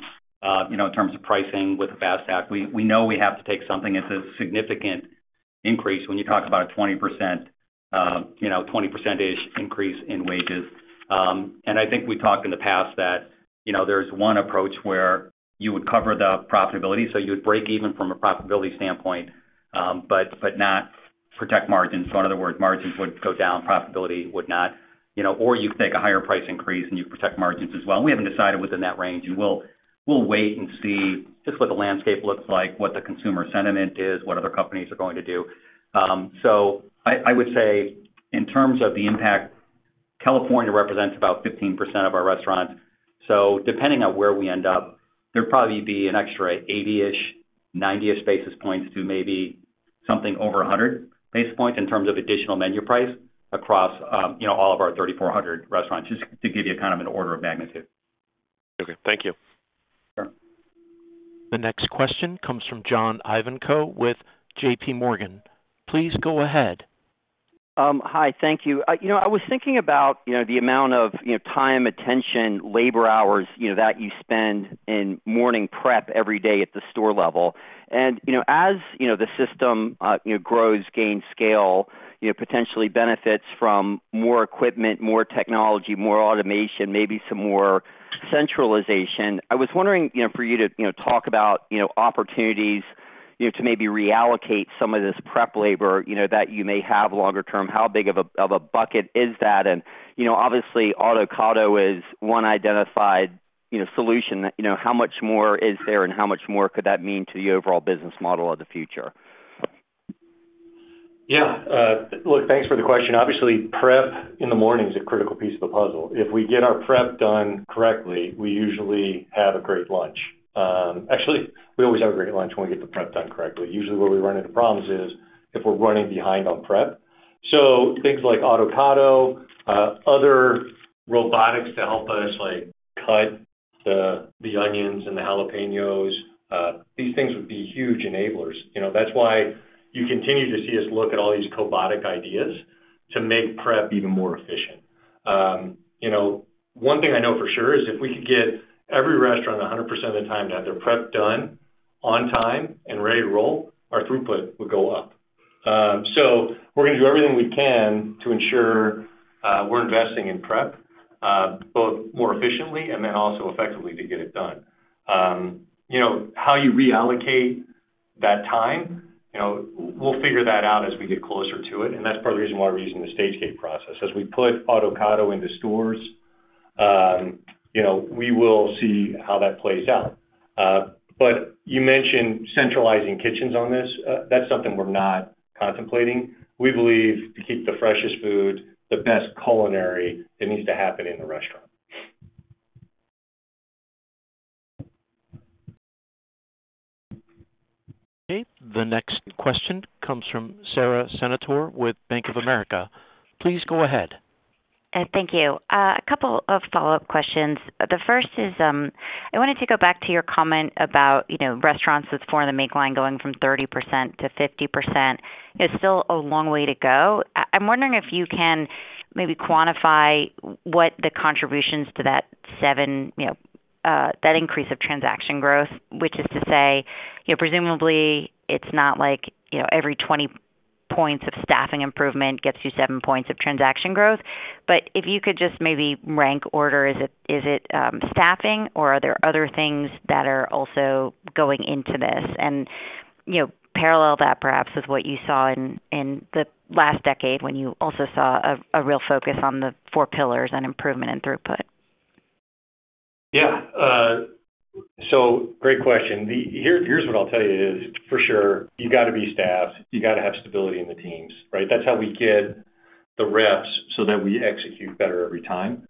you know, in terms of pricing with the FAST Act. We, we know we have to take something that's a significant increase when you talk about a 20%, you know, 20%-ish increase in wages. And I think we've talked in the past that, you know, there's one approach where you would cover the profitability, so you would break even from a profitability standpoint, but, but not protect margins. So in other words, margins would go down, profitability would not. You know, or you take a higher price increase and you protect margins as well. We haven't decided within that range, and we'll, we'll wait and see just what the landscape looks like, what the consumer sentiment is, what other companies are going to do. So I would say, in terms of the impact, California represents about 15% of our restaurants. So depending on where we end up, there'd probably be an extra 80-ish-90-ish basis points to maybe something over 100 basis points in terms of additional menu price across, you know, all of our 3,400 restaurants, just to give you a kind of an order of magnitude. Okay. Thank you. Sure. The next question comes from John Ivankoe with J.P. Morgan. Please go ahead. Hi, thank you. You know, I was thinking about, you know, the amount of, you know, time, attention, labor hours, you know, that you spend in morning prep every day at the store level. And, you know, as, you know, the system, you know, grows, gains scale, you know, potentially benefits from more equipment, more technology, more automation, maybe some more centralization. I was wondering, you know, for you to, you know, talk about, you know, opportunities, you know, to maybe reallocate some of this prep labor, you know, that you may have longer term. How big of a bucket is that? And, you know, obviously, Autocado is one identified, you know, solution. You know, how much more is there and how much more could that mean to the overall business model of the future? Yeah, look, thanks for the question. Obviously, prep in the morning is a critical piece of the puzzle. If we get our prep done correctly, we usually have a great lunch. Actually, we always have a great lunch when we get the prep done correctly. Usually, where we run into problems is if we're running behind on prep. So things like Autocado, other robotics to help us, like, cut the onions and the jalapeños, these things would be huge enablers. You know, that's why you continue to see us look at all these cobotic ideas to make prep even more efficient. You know, one thing I know for sure is if we could get every restaurant 100% of the time to have their prep done on time and ready to roll, our throughput would go up. So we're gonna do everything we can to ensure we're investing in prep, both more efficiently and then also effectively to get it done. You know, how you reallocate that time, you know, we'll figure that out as we get closer to it, and that's part of the reason why we're using the Stage Gate Process. As we put Autocado into stores, you know, we will see how that plays out. But you mentioned centralizing kitchens on this. That's something we're not contemplating. We believe, to keep the freshest food, the best culinary, it needs to happen in the restaurant. Okay, the next question comes from Sara Senatore with Bank of America. Please go ahead. Thank you. A couple of follow-up questions. The first is, I wanted to go back to your comment about, you know, restaurants with four in the make line going from 30%-50%. It's still a long way to go. I'm wondering if you can maybe quantify what the contributions to that 7, you know, that increase of transaction growth. Which is to say, you know, presumably it's not like, you know, every 20 points of staffing improvement gets you 7 points of transaction growth. But if you could just maybe rank order, is it, is it, staffing or are there other things that are also going into this? And, you know, parallel that perhaps with what you saw in the last decade, when you also saw a real focus on the four pillars and improvement in throughput. Yeah. So great question. Here's what I'll tell you is, for sure, you've got to be staffed, you've got to have stability in the teams, right? That's how we get the reps so that we execute better every time.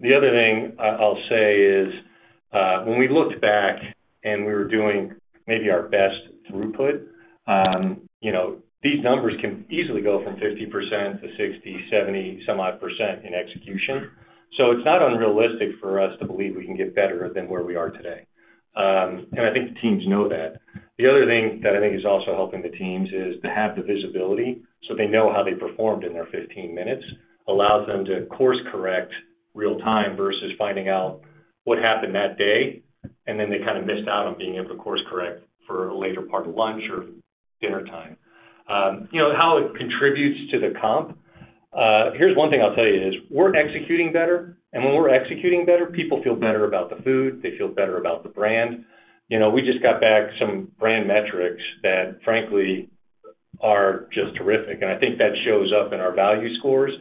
The other thing I'll say is, when we looked back and we were doing maybe our best throughput, you know, these numbers can easily go from 50% to 60, 70-some-odd % in execution. So it's not unrealistic for us to believe we can get better than where we are today. And I think the teams know that. The other thing that I think is also helping the teams is to have the visibility, so they know how they performed in their 15 minutes, allows them to course correct real time, versus finding out what happened that day, and then they kind of missed out on being able to course correct for a later part of lunch or dinner time. You know, how it contributes to the comp, here's one thing I'll tell you is: we're executing better, and when we're executing better, people feel better about the food, they feel better about the brand. You know, we just got back some brand metrics that, frankly, are just terrific, and I think that shows up in our value scores,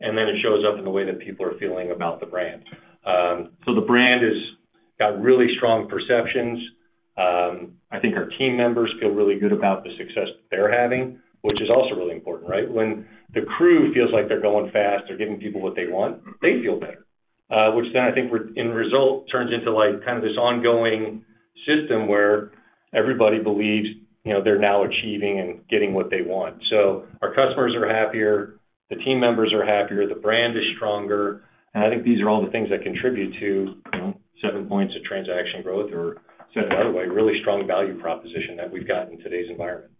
and then it shows up in the way that people are feeling about the brand. So the brand has got really strong perceptions. I think our team members feel really good about the success they're having, which is also really important, right? When the crew feels like they're going fast, they're giving people what they want, they feel better. Which then I think results in like, kind of this ongoing system where everybody believes, you know, they're now achieving and getting what they want. So our customers are happier, the team members are happier, the brand is stronger, and I think these are all the things that contribute to, you know, 7 points of transaction growth, or said another way, really strong value proposition that we've got in today's environment.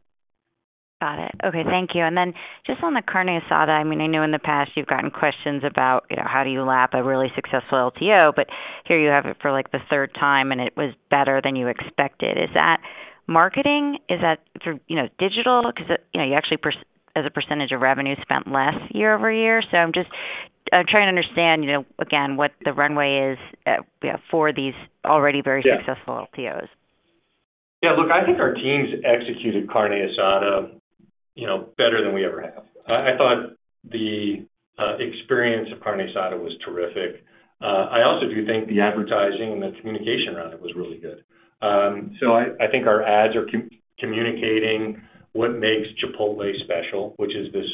Got it. Okay, thank you. And then just on the Carne Asada, I mean, I know in the past you've gotten questions about, you know, how do you lap a really successful LTO, but here you have it for, like, the third time, and it was better than you expected. Is that marketing? Is that through, you know, digital? Because, you know, you actually spent less as a percentage of revenue year over year. So I'm just, I'm trying to understand, you know, again, what the runway is we have for these already very- Yeah -successful LTOs. Yeah, look, I think our teams executed Carne Asada, you know, better than we ever have. I thought the experience of Carne Asada was terrific. I also do think the advertising and the communication around it was really good. So I think our ads are communicating what makes Chipotle special, which is this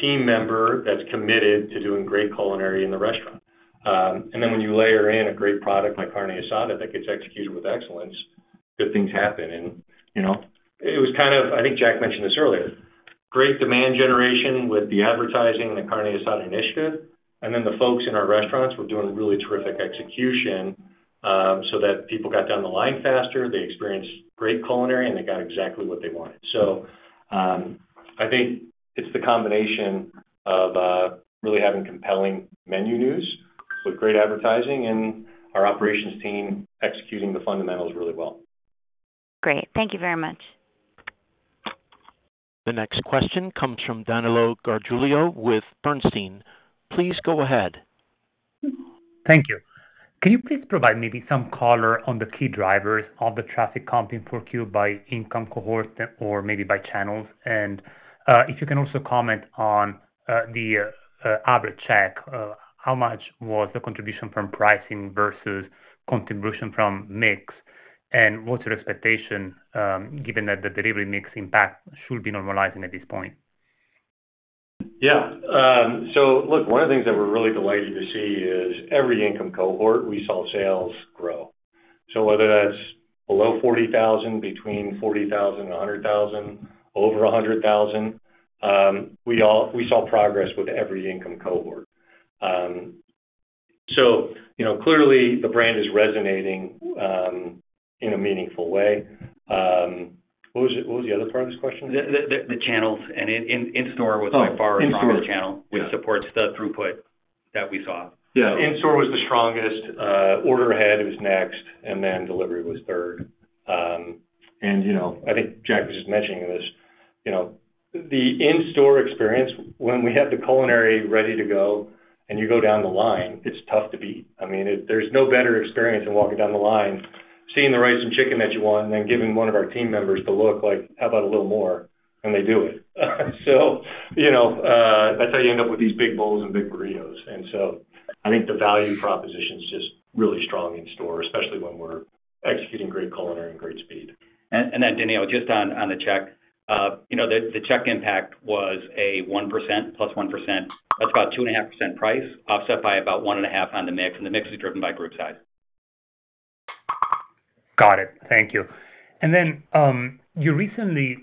team member that's committed to doing great culinary in the restaurant. And then when you layer in a great product like Carne Asada that gets executed with excellence, good things happen. And, you know, it was kind of, I think Jack mentioned this earlier, great demand generation with the advertising and the Carne Asada initiative, and then the folks in our restaurants were doing really terrific execution, so that people got down the line faster, they experienced great culinary, and they got exactly what they wanted. I think it's the combination of really having compelling menu news with great advertising and our operations team executing the fundamentals really well. Great. Thank you very much. The next question comes from Danilo Gargiulo with Bernstein. Please go ahead. Thank you. Can you please provide maybe some color on the key drivers of the traffic comp in 4Q by income cohort or maybe by channels? And the average check, how much was the contribution from pricing versus contribution from mix? And what's your expectation, given that the delivery mix impact should be normalizing at this point?... Yeah. So look, one of the things that we're really delighted to see is every income cohort, we saw sales grow. So whether that's below $40,000, between $40,000 and $100,000, over $100,000, we saw progress with every income cohort. So, you know, clearly, the brand is resonating in a meaningful way. What was the other part of this question? The channels and in-store was by far- Oh, in-store. The stronger channel, which supports the throughput that we saw. Yeah, in-store was the strongest, order ahead was next, and then delivery was third. And, you know, I think Jack was just mentioning this, you know, the in-store experience, when we have the culinary ready to go and you go down the line, it's tough to beat. I mean, there's no better experience than walking down the line, seeing the rice and chicken that you want, and then giving one of our team members the look like, "How about a little more?" And they do it. So, you know, that's how you end up with these big bowls and big burritos. And so I think the value proposition is just really strong in store, especially when we're executing great culinary and great speed. Then, Danilo, just on the check, you know, the check impact was 1% +1%. That's about 2.5% price, offset by about 1.5 on the mix, and the mix is driven by group size. Got it. Thank you. And then, you recently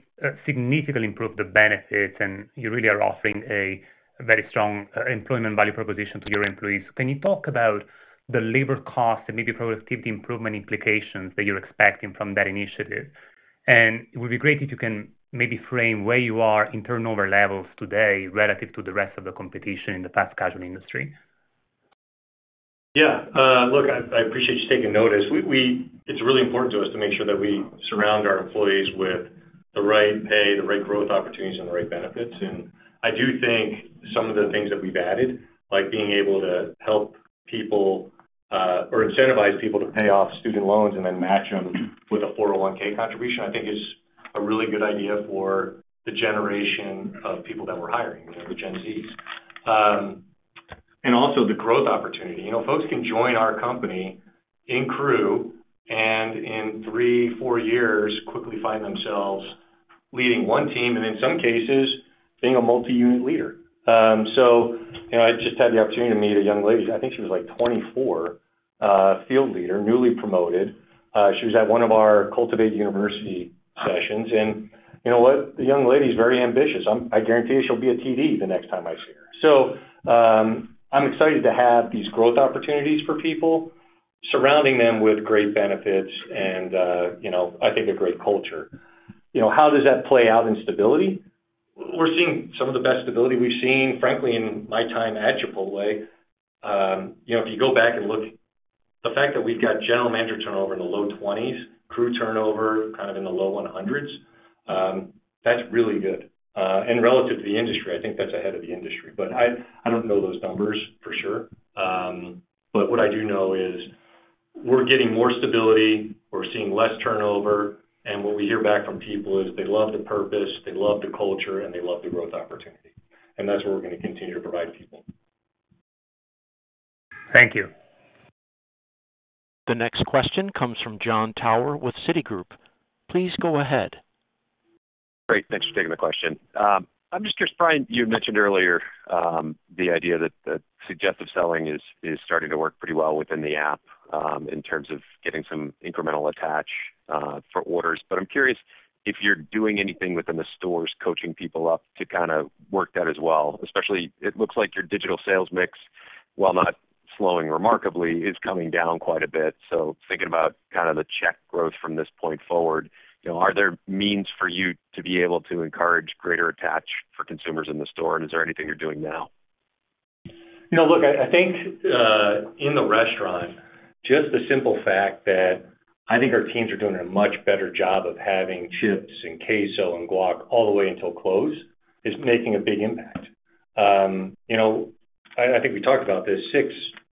significantly improved the benefits, and you really are offering a, a very strong, employment value proposition to your employees. Can you talk about the labor costs and maybe probably give the improvement implications that you're expecting from that initiative? And it would be great if you can maybe frame where you are in turnover levels today relative to the rest of the competition in the fast casual industry. Yeah. Look, I appreciate you taking notice. It's really important to us to make sure that we surround our employees with the right pay, the right growth opportunities, and the right benefits. And I do think some of the things that we've added, like being able to help people or incentivize people to pay off student loans and then match them with a 401(k) contribution, I think is a really good idea for the generation of people that we're hiring, you know, the Gen Zs. And also the growth opportunity. You know, folks can join our company in crew, and in 3, 4 years, quickly find themselves leading one team, and in some cases, being a multi-unit leader. So, you know, I just had the opportunity to meet a young lady, I think she was, like, 24, field leader, newly promoted. She was at one of our Cultivate University sessions, and you know what? The young lady is very ambitious. I guarantee you she'll be a TD the next time I see her. So, I'm excited to have these growth opportunities for people, surrounding them with great benefits and, you know, I think a great culture. You know, how does that play out in stability? We're seeing some of the best stability we've seen, frankly, in my time at Chipotle. You know, if you go back and look, the fact that we've got general manager turnover in the low 20s, crew turnover kind of in the low 100s, that's really good. Relative to the industry, I think that's ahead of the industry, but I don't know those numbers for sure. What I do know is we're getting more stability, we're seeing less turnover, and what we hear back from people is they love the purpose, they love the culture, and they love the growth opportunity. And that's what we're going to continue to provide people. Thank you. The next question comes from Jon Tower with Citigroup. Please go ahead. Great. Thanks for taking the question. I'm just curious, Brian, you mentioned earlier, the idea that suggestive selling is starting to work pretty well within the app, in terms of getting some incremental attach for orders. But I'm curious if you're doing anything within the stores, coaching people up to kind of work that as well, especially it looks like your digital sales mix, while not slowing remarkably, is coming down quite a bit. So thinking about kind of the check growth from this point forward, you know, are there means for you to be able to encourage greater attach for consumers in the store? And is there anything you're doing now? You know, look, I think in the restaurant, just the simple fact that I think our teams are doing a much better job of having chips and queso and guac all the way until close, is making a big impact. You know, I think we talked about this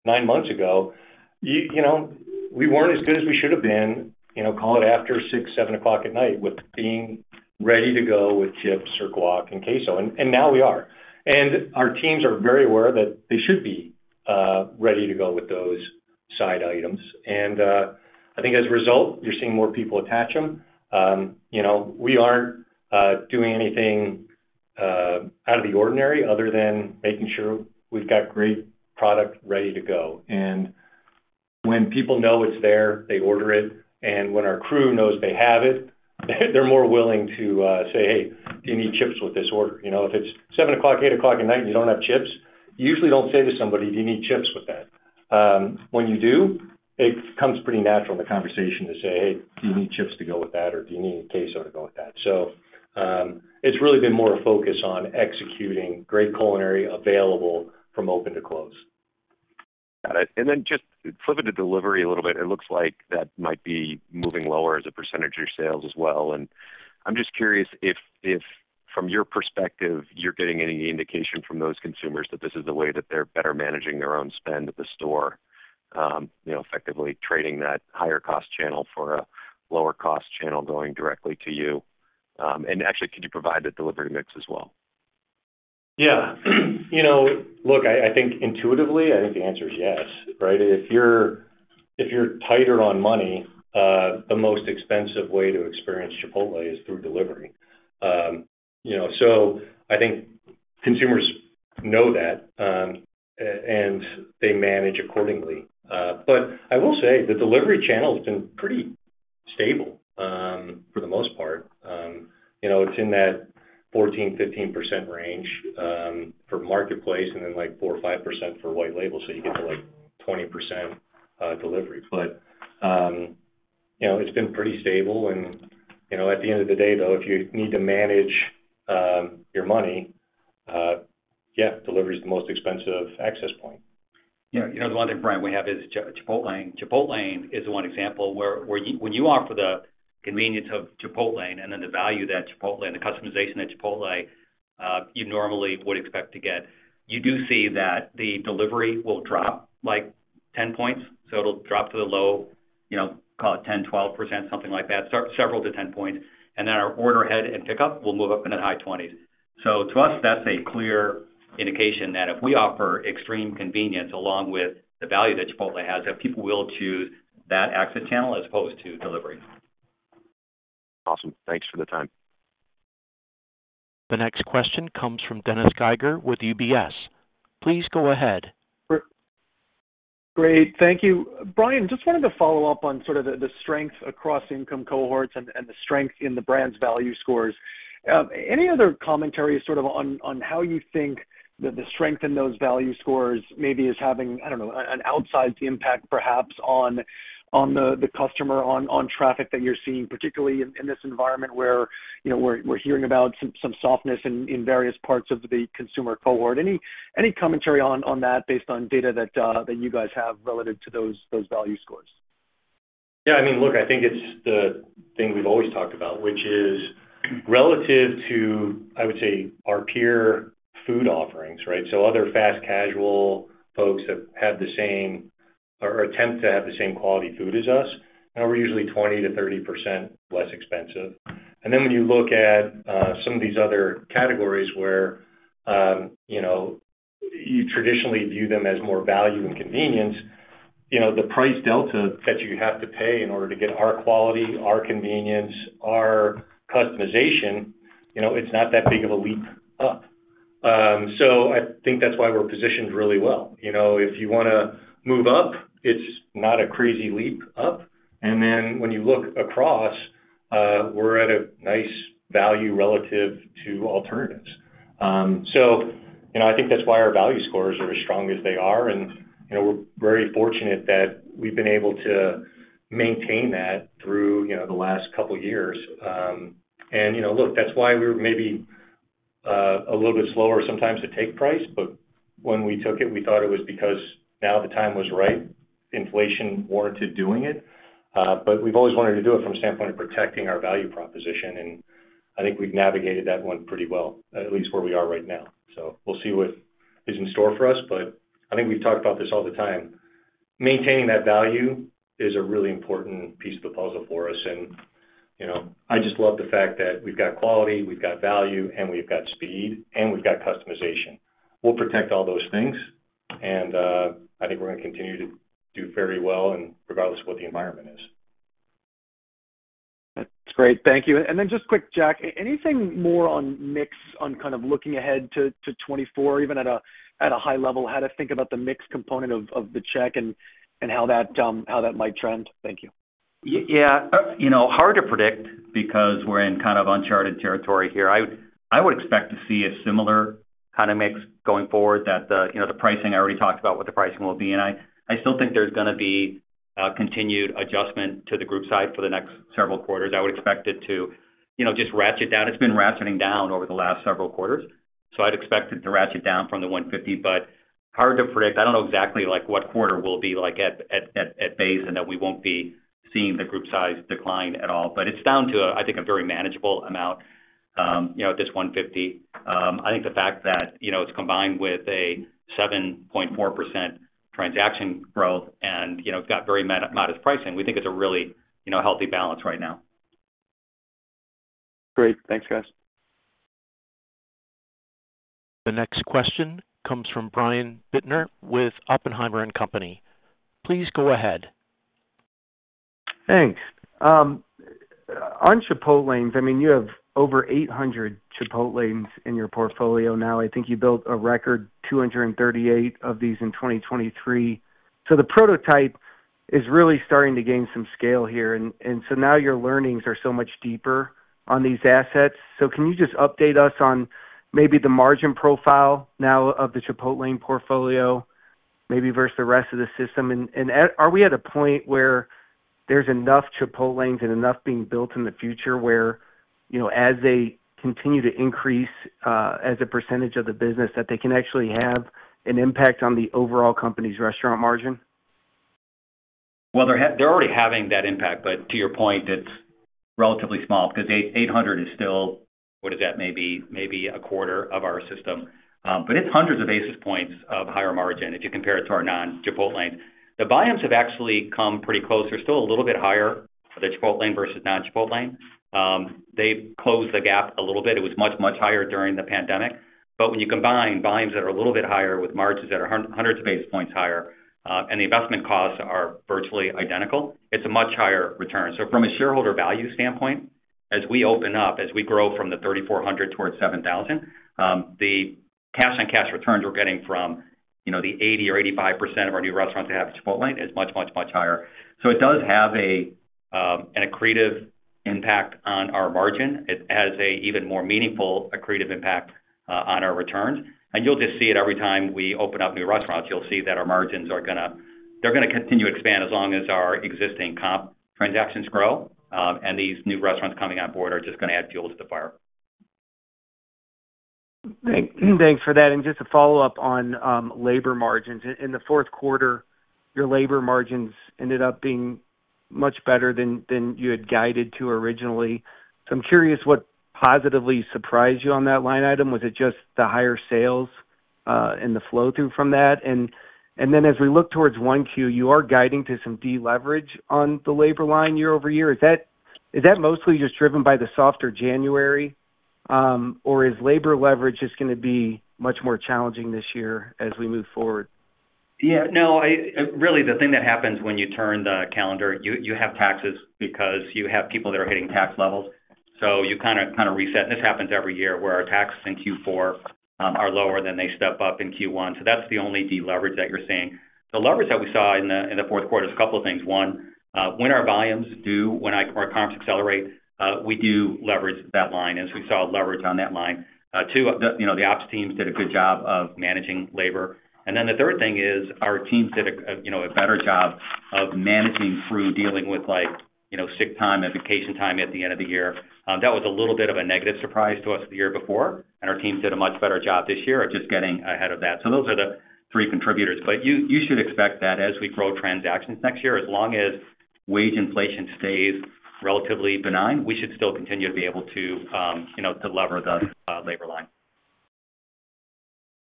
6-9 months ago. You know, we weren't as good as we should have been, you know, call it after 6-7 o'clock at night, with being ready to go with chips or guac and queso, and now we are. Our teams are very aware that they should be ready to go with those side items. I think as a result, you're seeing more people attach them. You know, we aren't doing anything out of the ordinary other than making sure we've got great product ready to go. When people know it's there, they order it, and when our crew knows they have it, they're more willing to say, "Hey, do you need chips with this order?" You know, if it's 7:00 P.M., 8:00 P.M. at night and you don't have chips, you usually don't say to somebody, "Do you need chips with that?" When you do, it comes pretty natural in the conversation to say, "Hey, do you need chips to go with that, or do you need queso to go with that?" So, it's really been more a focus on executing great culinary available from open to close. Got it. And then just flipping to delivery a little bit, it looks like that might be moving lower as a percentage of your sales as well. And I'm just curious if from your perspective, you're getting any indication from those consumers that this is the way that they're better managing their own spend at the store, you know, effectively trading that higher cost channel for a lower cost channel going directly to you. And actually, could you provide the delivery mix as well? Yeah. You know, look, I think intuitively, I think the answer is yes, right? If you're tighter on money, the most expensive way to experience Chipotle is through delivery. You know, so I think consumers know that, and they manage accordingly. But I will say the delivery channel has been pretty stable, for the most part. You know, it's in that 14%-15% range, for marketplace, and then, like, 4 or 5% for white label, so you get to, like, 20%, delivery. But, you know, it's been pretty stable and, you know, at the end of the day, though, if you need to manage, your money, yeah, delivery is the most expensive access point. Yeah, you know, the one thing, Brian, we have is Chipotlane. Chipotlane is one example where when you offer the convenience of Chipotlane and then the value that Chipotlane, the customization that Chipotle, you normally would expect to get, you do see that the delivery will drop, like, 10 points. So it'll drop to the low, you know, call it 10, 12%, something like that, several to 10 points. And then our order ahead and pickup will move up in the high 20s. So to us, that's a clear indication that if we offer extreme convenience along with the value that Chipotle has, that people will choose that access channel as opposed to delivery. Awesome. Thanks for the time. The next question comes from Dennis Geiger with UBS. Please go ahead. Great. Thank you. Brian, just wanted to follow up on sort of the, the strength across income cohorts and, and the strength in the brand's value scores. Any other commentary sort of on, on how you think that the strength in those value scores maybe is having, I don't know, an outsized impact, perhaps, on, on the, the customer, on, on traffic that you're seeing, particularly in, in this environment where, you know, we're, we're hearing about some, some softness in, in various parts of the consumer cohort? Any, any commentary on, on that based on data that that you guys have relative to those, those value scores? Yeah, I mean, look, I think it's the thing we've always talked about, which is relative to, I would say, our peer food offerings, right? So other fast casual folks have had the same or attempt to have the same quality food as us, and we're usually 20%-30% less expensive. And then when you look at some of these other categories where, you know, you traditionally view them as more value and convenience, you know, the price delta that you have to pay in order to get our quality, our convenience, our customization, you know, it's not that big of a leap up. So I think that's why we're positioned really well. You know, if you wanna move up, it's not a crazy leap up. And then when you look across, we're at a nice value relative to alternatives. So, you know, I think that's why our value scores are as strong as they are, and, you know, we're very fortunate that we've been able to maintain that through, you know, the last couple of years. And, you know, look, that's why we're maybe a little bit slower sometimes to take price, but when we took it, we thought it was because now the time was right. Inflation warranted doing it, but we've always wanted to do it from a standpoint of protecting our value proposition, and I think we've navigated that one pretty well, at least where we are right now. So we'll see what is in store for us, but I think we've talked about this all the time. Maintaining that value is a really important piece of the puzzle for us, and, you know, I just love the fact that we've got quality, we've got value, and we've got speed, and we've got customization. We'll protect all those things, and, I think we're going to continue to do very well and regardless of what the environment is. That's great. Thank you. And then just quick, Jack, anything more on mix on kind of looking ahead to, to 2024, even at a, at a high level, how to think about the mix component of, of the check and, and how that, how that might trend? Thank you. Yeah, you know, hard to predict because we're in kind of uncharted territory here. I would expect to see a similar kind of mix going forward, that the, you know, the pricing I already talked about what the pricing will be, and I still think there's gonna be continued adjustment to the group size for the next several quarters. I would expect it to, you know, just ratchet down. It's been ratcheting down over the last several quarters, so I'd expect it to ratchet down from the $150, but hard to predict. I don't know exactly like what quarter will be like at base, and that we won't be seeing the group size decline at all. But it's down to, I think, a very manageable amount, you know, at this $150. I think the fact that, you know, it's combined with a 7.4% transaction growth and, you know, it's got very modest pricing, we think it's a really, you know, healthy balance right now. Great. Thanks, guys. The next question comes from Brian Bittner with Oppenheimer and Company. Please go ahead. Thanks. On Chipotlanes, I mean, you have over 800 Chipotlanes in your portfolio now. I think you built a record 238 of these in 2023. So the prototype is really starting to gain some scale here, and, and so now your learnings are so much deeper on these assets. So can you just update us on maybe the margin profile now of the Chipotlane portfolio, maybe versus the rest of the system? And, and at-- are we at a point where there's enough Chipotlanes and enough being built in the future where, you know, as they continue to increase, as a percentage of the business, that they can actually have an impact on the overall company's restaurant margin? Well, they're already having that impact, but to your point, it's relatively small because 800 is still, what is that? Maybe, maybe a quarter of our system. But it's hundreds of basis points of higher margin if you compare it to our non-Chipotlane. The volumes have actually come pretty close. They're still a little bit higher for the Chipotlane versus non-Chipotlane. They've closed the gap a little bit. It was much, much higher during the pandemic.... But when you combine volumes that are a little bit higher with margins that are hundreds of basis points higher, and the investment costs are virtually identical, it's a much higher return. So from a shareholder value standpoint, as we open up, as we grow from the 3,400 towards 7,000, the cash and cash returns we're getting from the 80% or 85% of our new restaurants that have Chipotlane is much, much, much higher. So it does have a an accretive impact on our margin. It has a even more meaningful accretive impact on our returns. And you'll just see it every time we open up new restaurants. You'll see that our margins are gonna. They're gonna continue to expand as long as our existing comp transactions grow, and these new restaurants coming on board are just gonna add fuel to the fire. Thanks for that. And just to follow up on labor margins. In the fourth quarter, your labor margins ended up being much better than you had guided to originally. So I'm curious what positively surprised you on that line item. Was it just the higher sales and the flow-through from that? And then, as we look towards 1Q, you are guiding to some deleverage on the labor line year-over-year. Is that mostly just driven by the softer January, or is labor leverage just gonna be much more challenging this year as we move forward? Yeah. No, I really, the thing that happens when you turn the calendar, you have taxes because you have people that are hitting tax levels. So you kind of reset. And this happens every year, where our taxes in Q4 are lower than they step up in Q1. So that's the only deleverage that you're seeing. The leverage that we saw in the fourth quarter is a couple of things. One, when our volumes do, when our comps accelerate, we do leverage that line as we saw leverage on that line. Two, you know, the ops teams did a good job of managing labor. And then the third thing is, our teams did a you know, a better job of managing through dealing with, like, you know, sick time and vacation time at the end of the year. That was a little bit of a negative surprise to us the year before, and our teams did a much better job this year of just getting ahead of that. So those are the three contributors. But you, you should expect that as we grow transactions next year, as long as wage inflation stays relatively benign, we should still continue to be able to, you know, to lever the, labor line.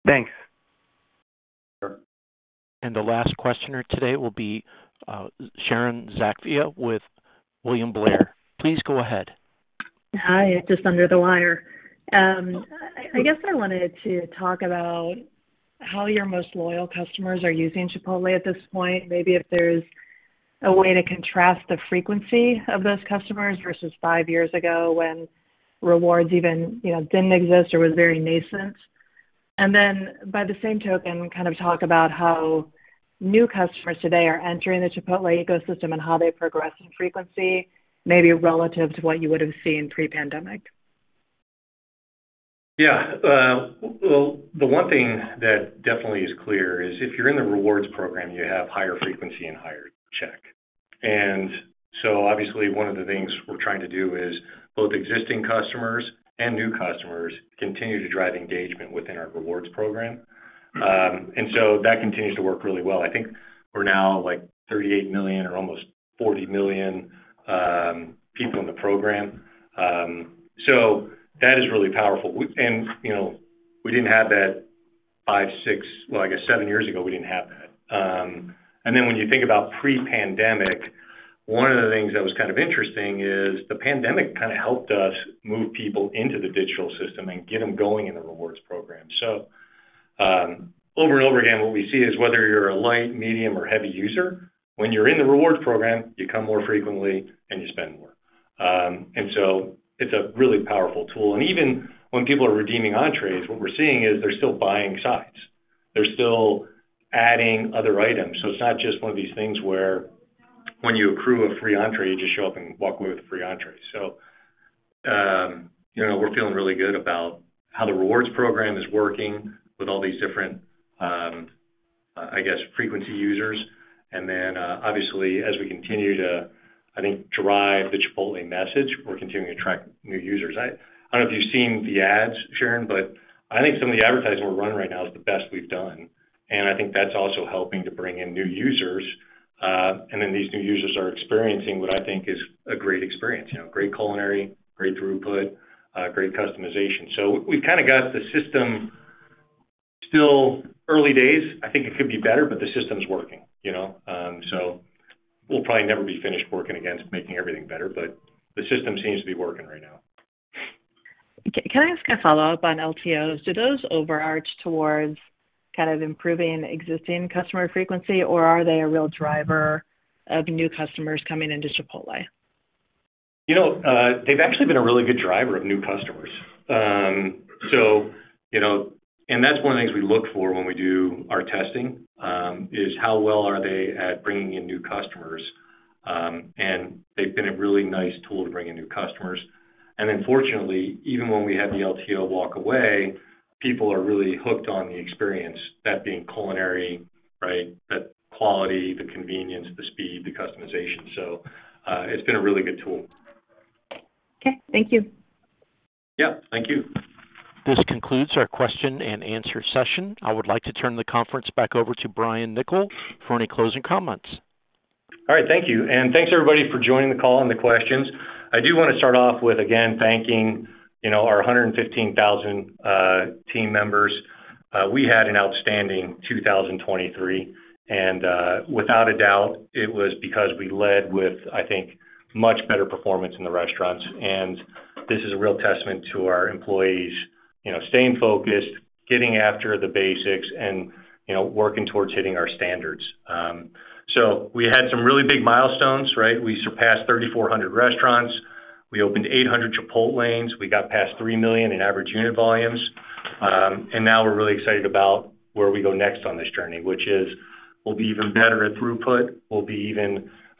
Thanks. The last questioner today will be, Sharon Zackfia with William Blair. Please go ahead. Hi, just under the wire. I guess I wanted to talk about how your most loyal customers are using Chipotle at this point. Maybe if there's a way to contrast the frequency of those customers versus five years ago when rewards even, you know, didn't exist or was very nascent. And then, by the same token, kind of talk about how new customers today are entering the Chipotle ecosystem and how they progress in frequency, maybe relative to what you would have seen pre-pandemic. Yeah, well, the one thing that definitely is clear is if you're in the rewards program, you have higher frequency and higher check. And so obviously, one of the things we're trying to do is both existing customers and new customers continue to drive engagement within our rewards program. And so that continues to work really well. I think we're now like 38 million or almost 40 million people in the program. So that is really powerful. We and, you know, we didn't have that 5, 6, well, I guess 7 years ago, we didn't have that. And then when you think about pre-pandemic, one of the things that was kind of interesting is the pandemic kind of helped us move people into the digital system and get them going in the rewards program. So, over and over again, what we see is whether you're a light, medium, or heavy user, when you're in the Rewards program, you come more frequently and you spend more. And so it's a really powerful tool. And even when people are redeeming entrees, what we're seeing is they're still buying sides. They're still adding other items. So it's not just one of these things where when you accrue a free entree, you just show up and walk away with a free entree. So, you know, we're feeling really good about how the Rewards program is working with all these different, I guess, frequency users. And then, obviously, as we continue to, I think, drive the Chipotle message, we're continuing to attract new users. I don't know if you've seen the ads, Sharon, but I think some of the advertising we're running right now is the best we've done, and I think that's also helping to bring in new users. And then these new users are experiencing what I think is a great experience, you know, great culinary, great throughput, great customization. So we've kind of got the system still early days. I think it could be better, but the system's working, you know, so we'll probably never be finished working against making everything better, but the system seems to be working right now. Can I ask a follow-up on LTOs? Do those overarch towards kind of improving existing customer frequency, or are they a real driver of new customers coming into Chipotle? You know, they've actually been a really good driver of new customers. So, you know, and that's one of the things we look for when we do our testing, is how well are they at bringing in new customers? And they've been a really nice tool to bring in new customers. And then, fortunately, even when we had the LTO walk away, people are really hooked on the experience, that being culinary, right? The quality, the convenience, the speed, the customization. So, it's been a really good tool. Okay, thank you. Yeah, thank you. This concludes our question and answer session. I would like to turn the conference back over to Brian Niccol for any closing comments. All right. Thank you. And thanks, everybody, for joining the call and the questions. I do want to start off with, again, thanking, you know, our 115,000 team members. We had an outstanding 2023, and without a doubt, it was because we led with, I think, much better performance in the restaurants. And this is a real testament to our employees, you know, staying focused, getting after the basics, and, you know, working towards hitting our standards. So we had some really big milestones, right? We surpassed 3,400 restaurants. We opened 800 Chipotlanes. We got past $3 million in average unit volumes. And now we're really excited about where we go next on this journey, which is we'll be even better at throughput, we'll be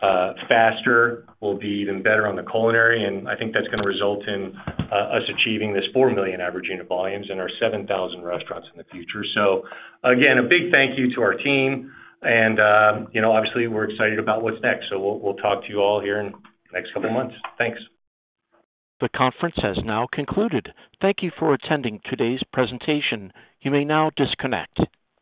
even faster, we'll be even better on the culinary, and I think that's gonna result in us achieving this $4 million average unit volumes and our 7,000 restaurants in the future. So again, a big thank you to our team and, you know, obviously, we're excited about what's next. So we'll talk to you all here in the next couple of months. Thanks. The conference has now concluded. Thank you for attending today's presentation. You may now disconnect.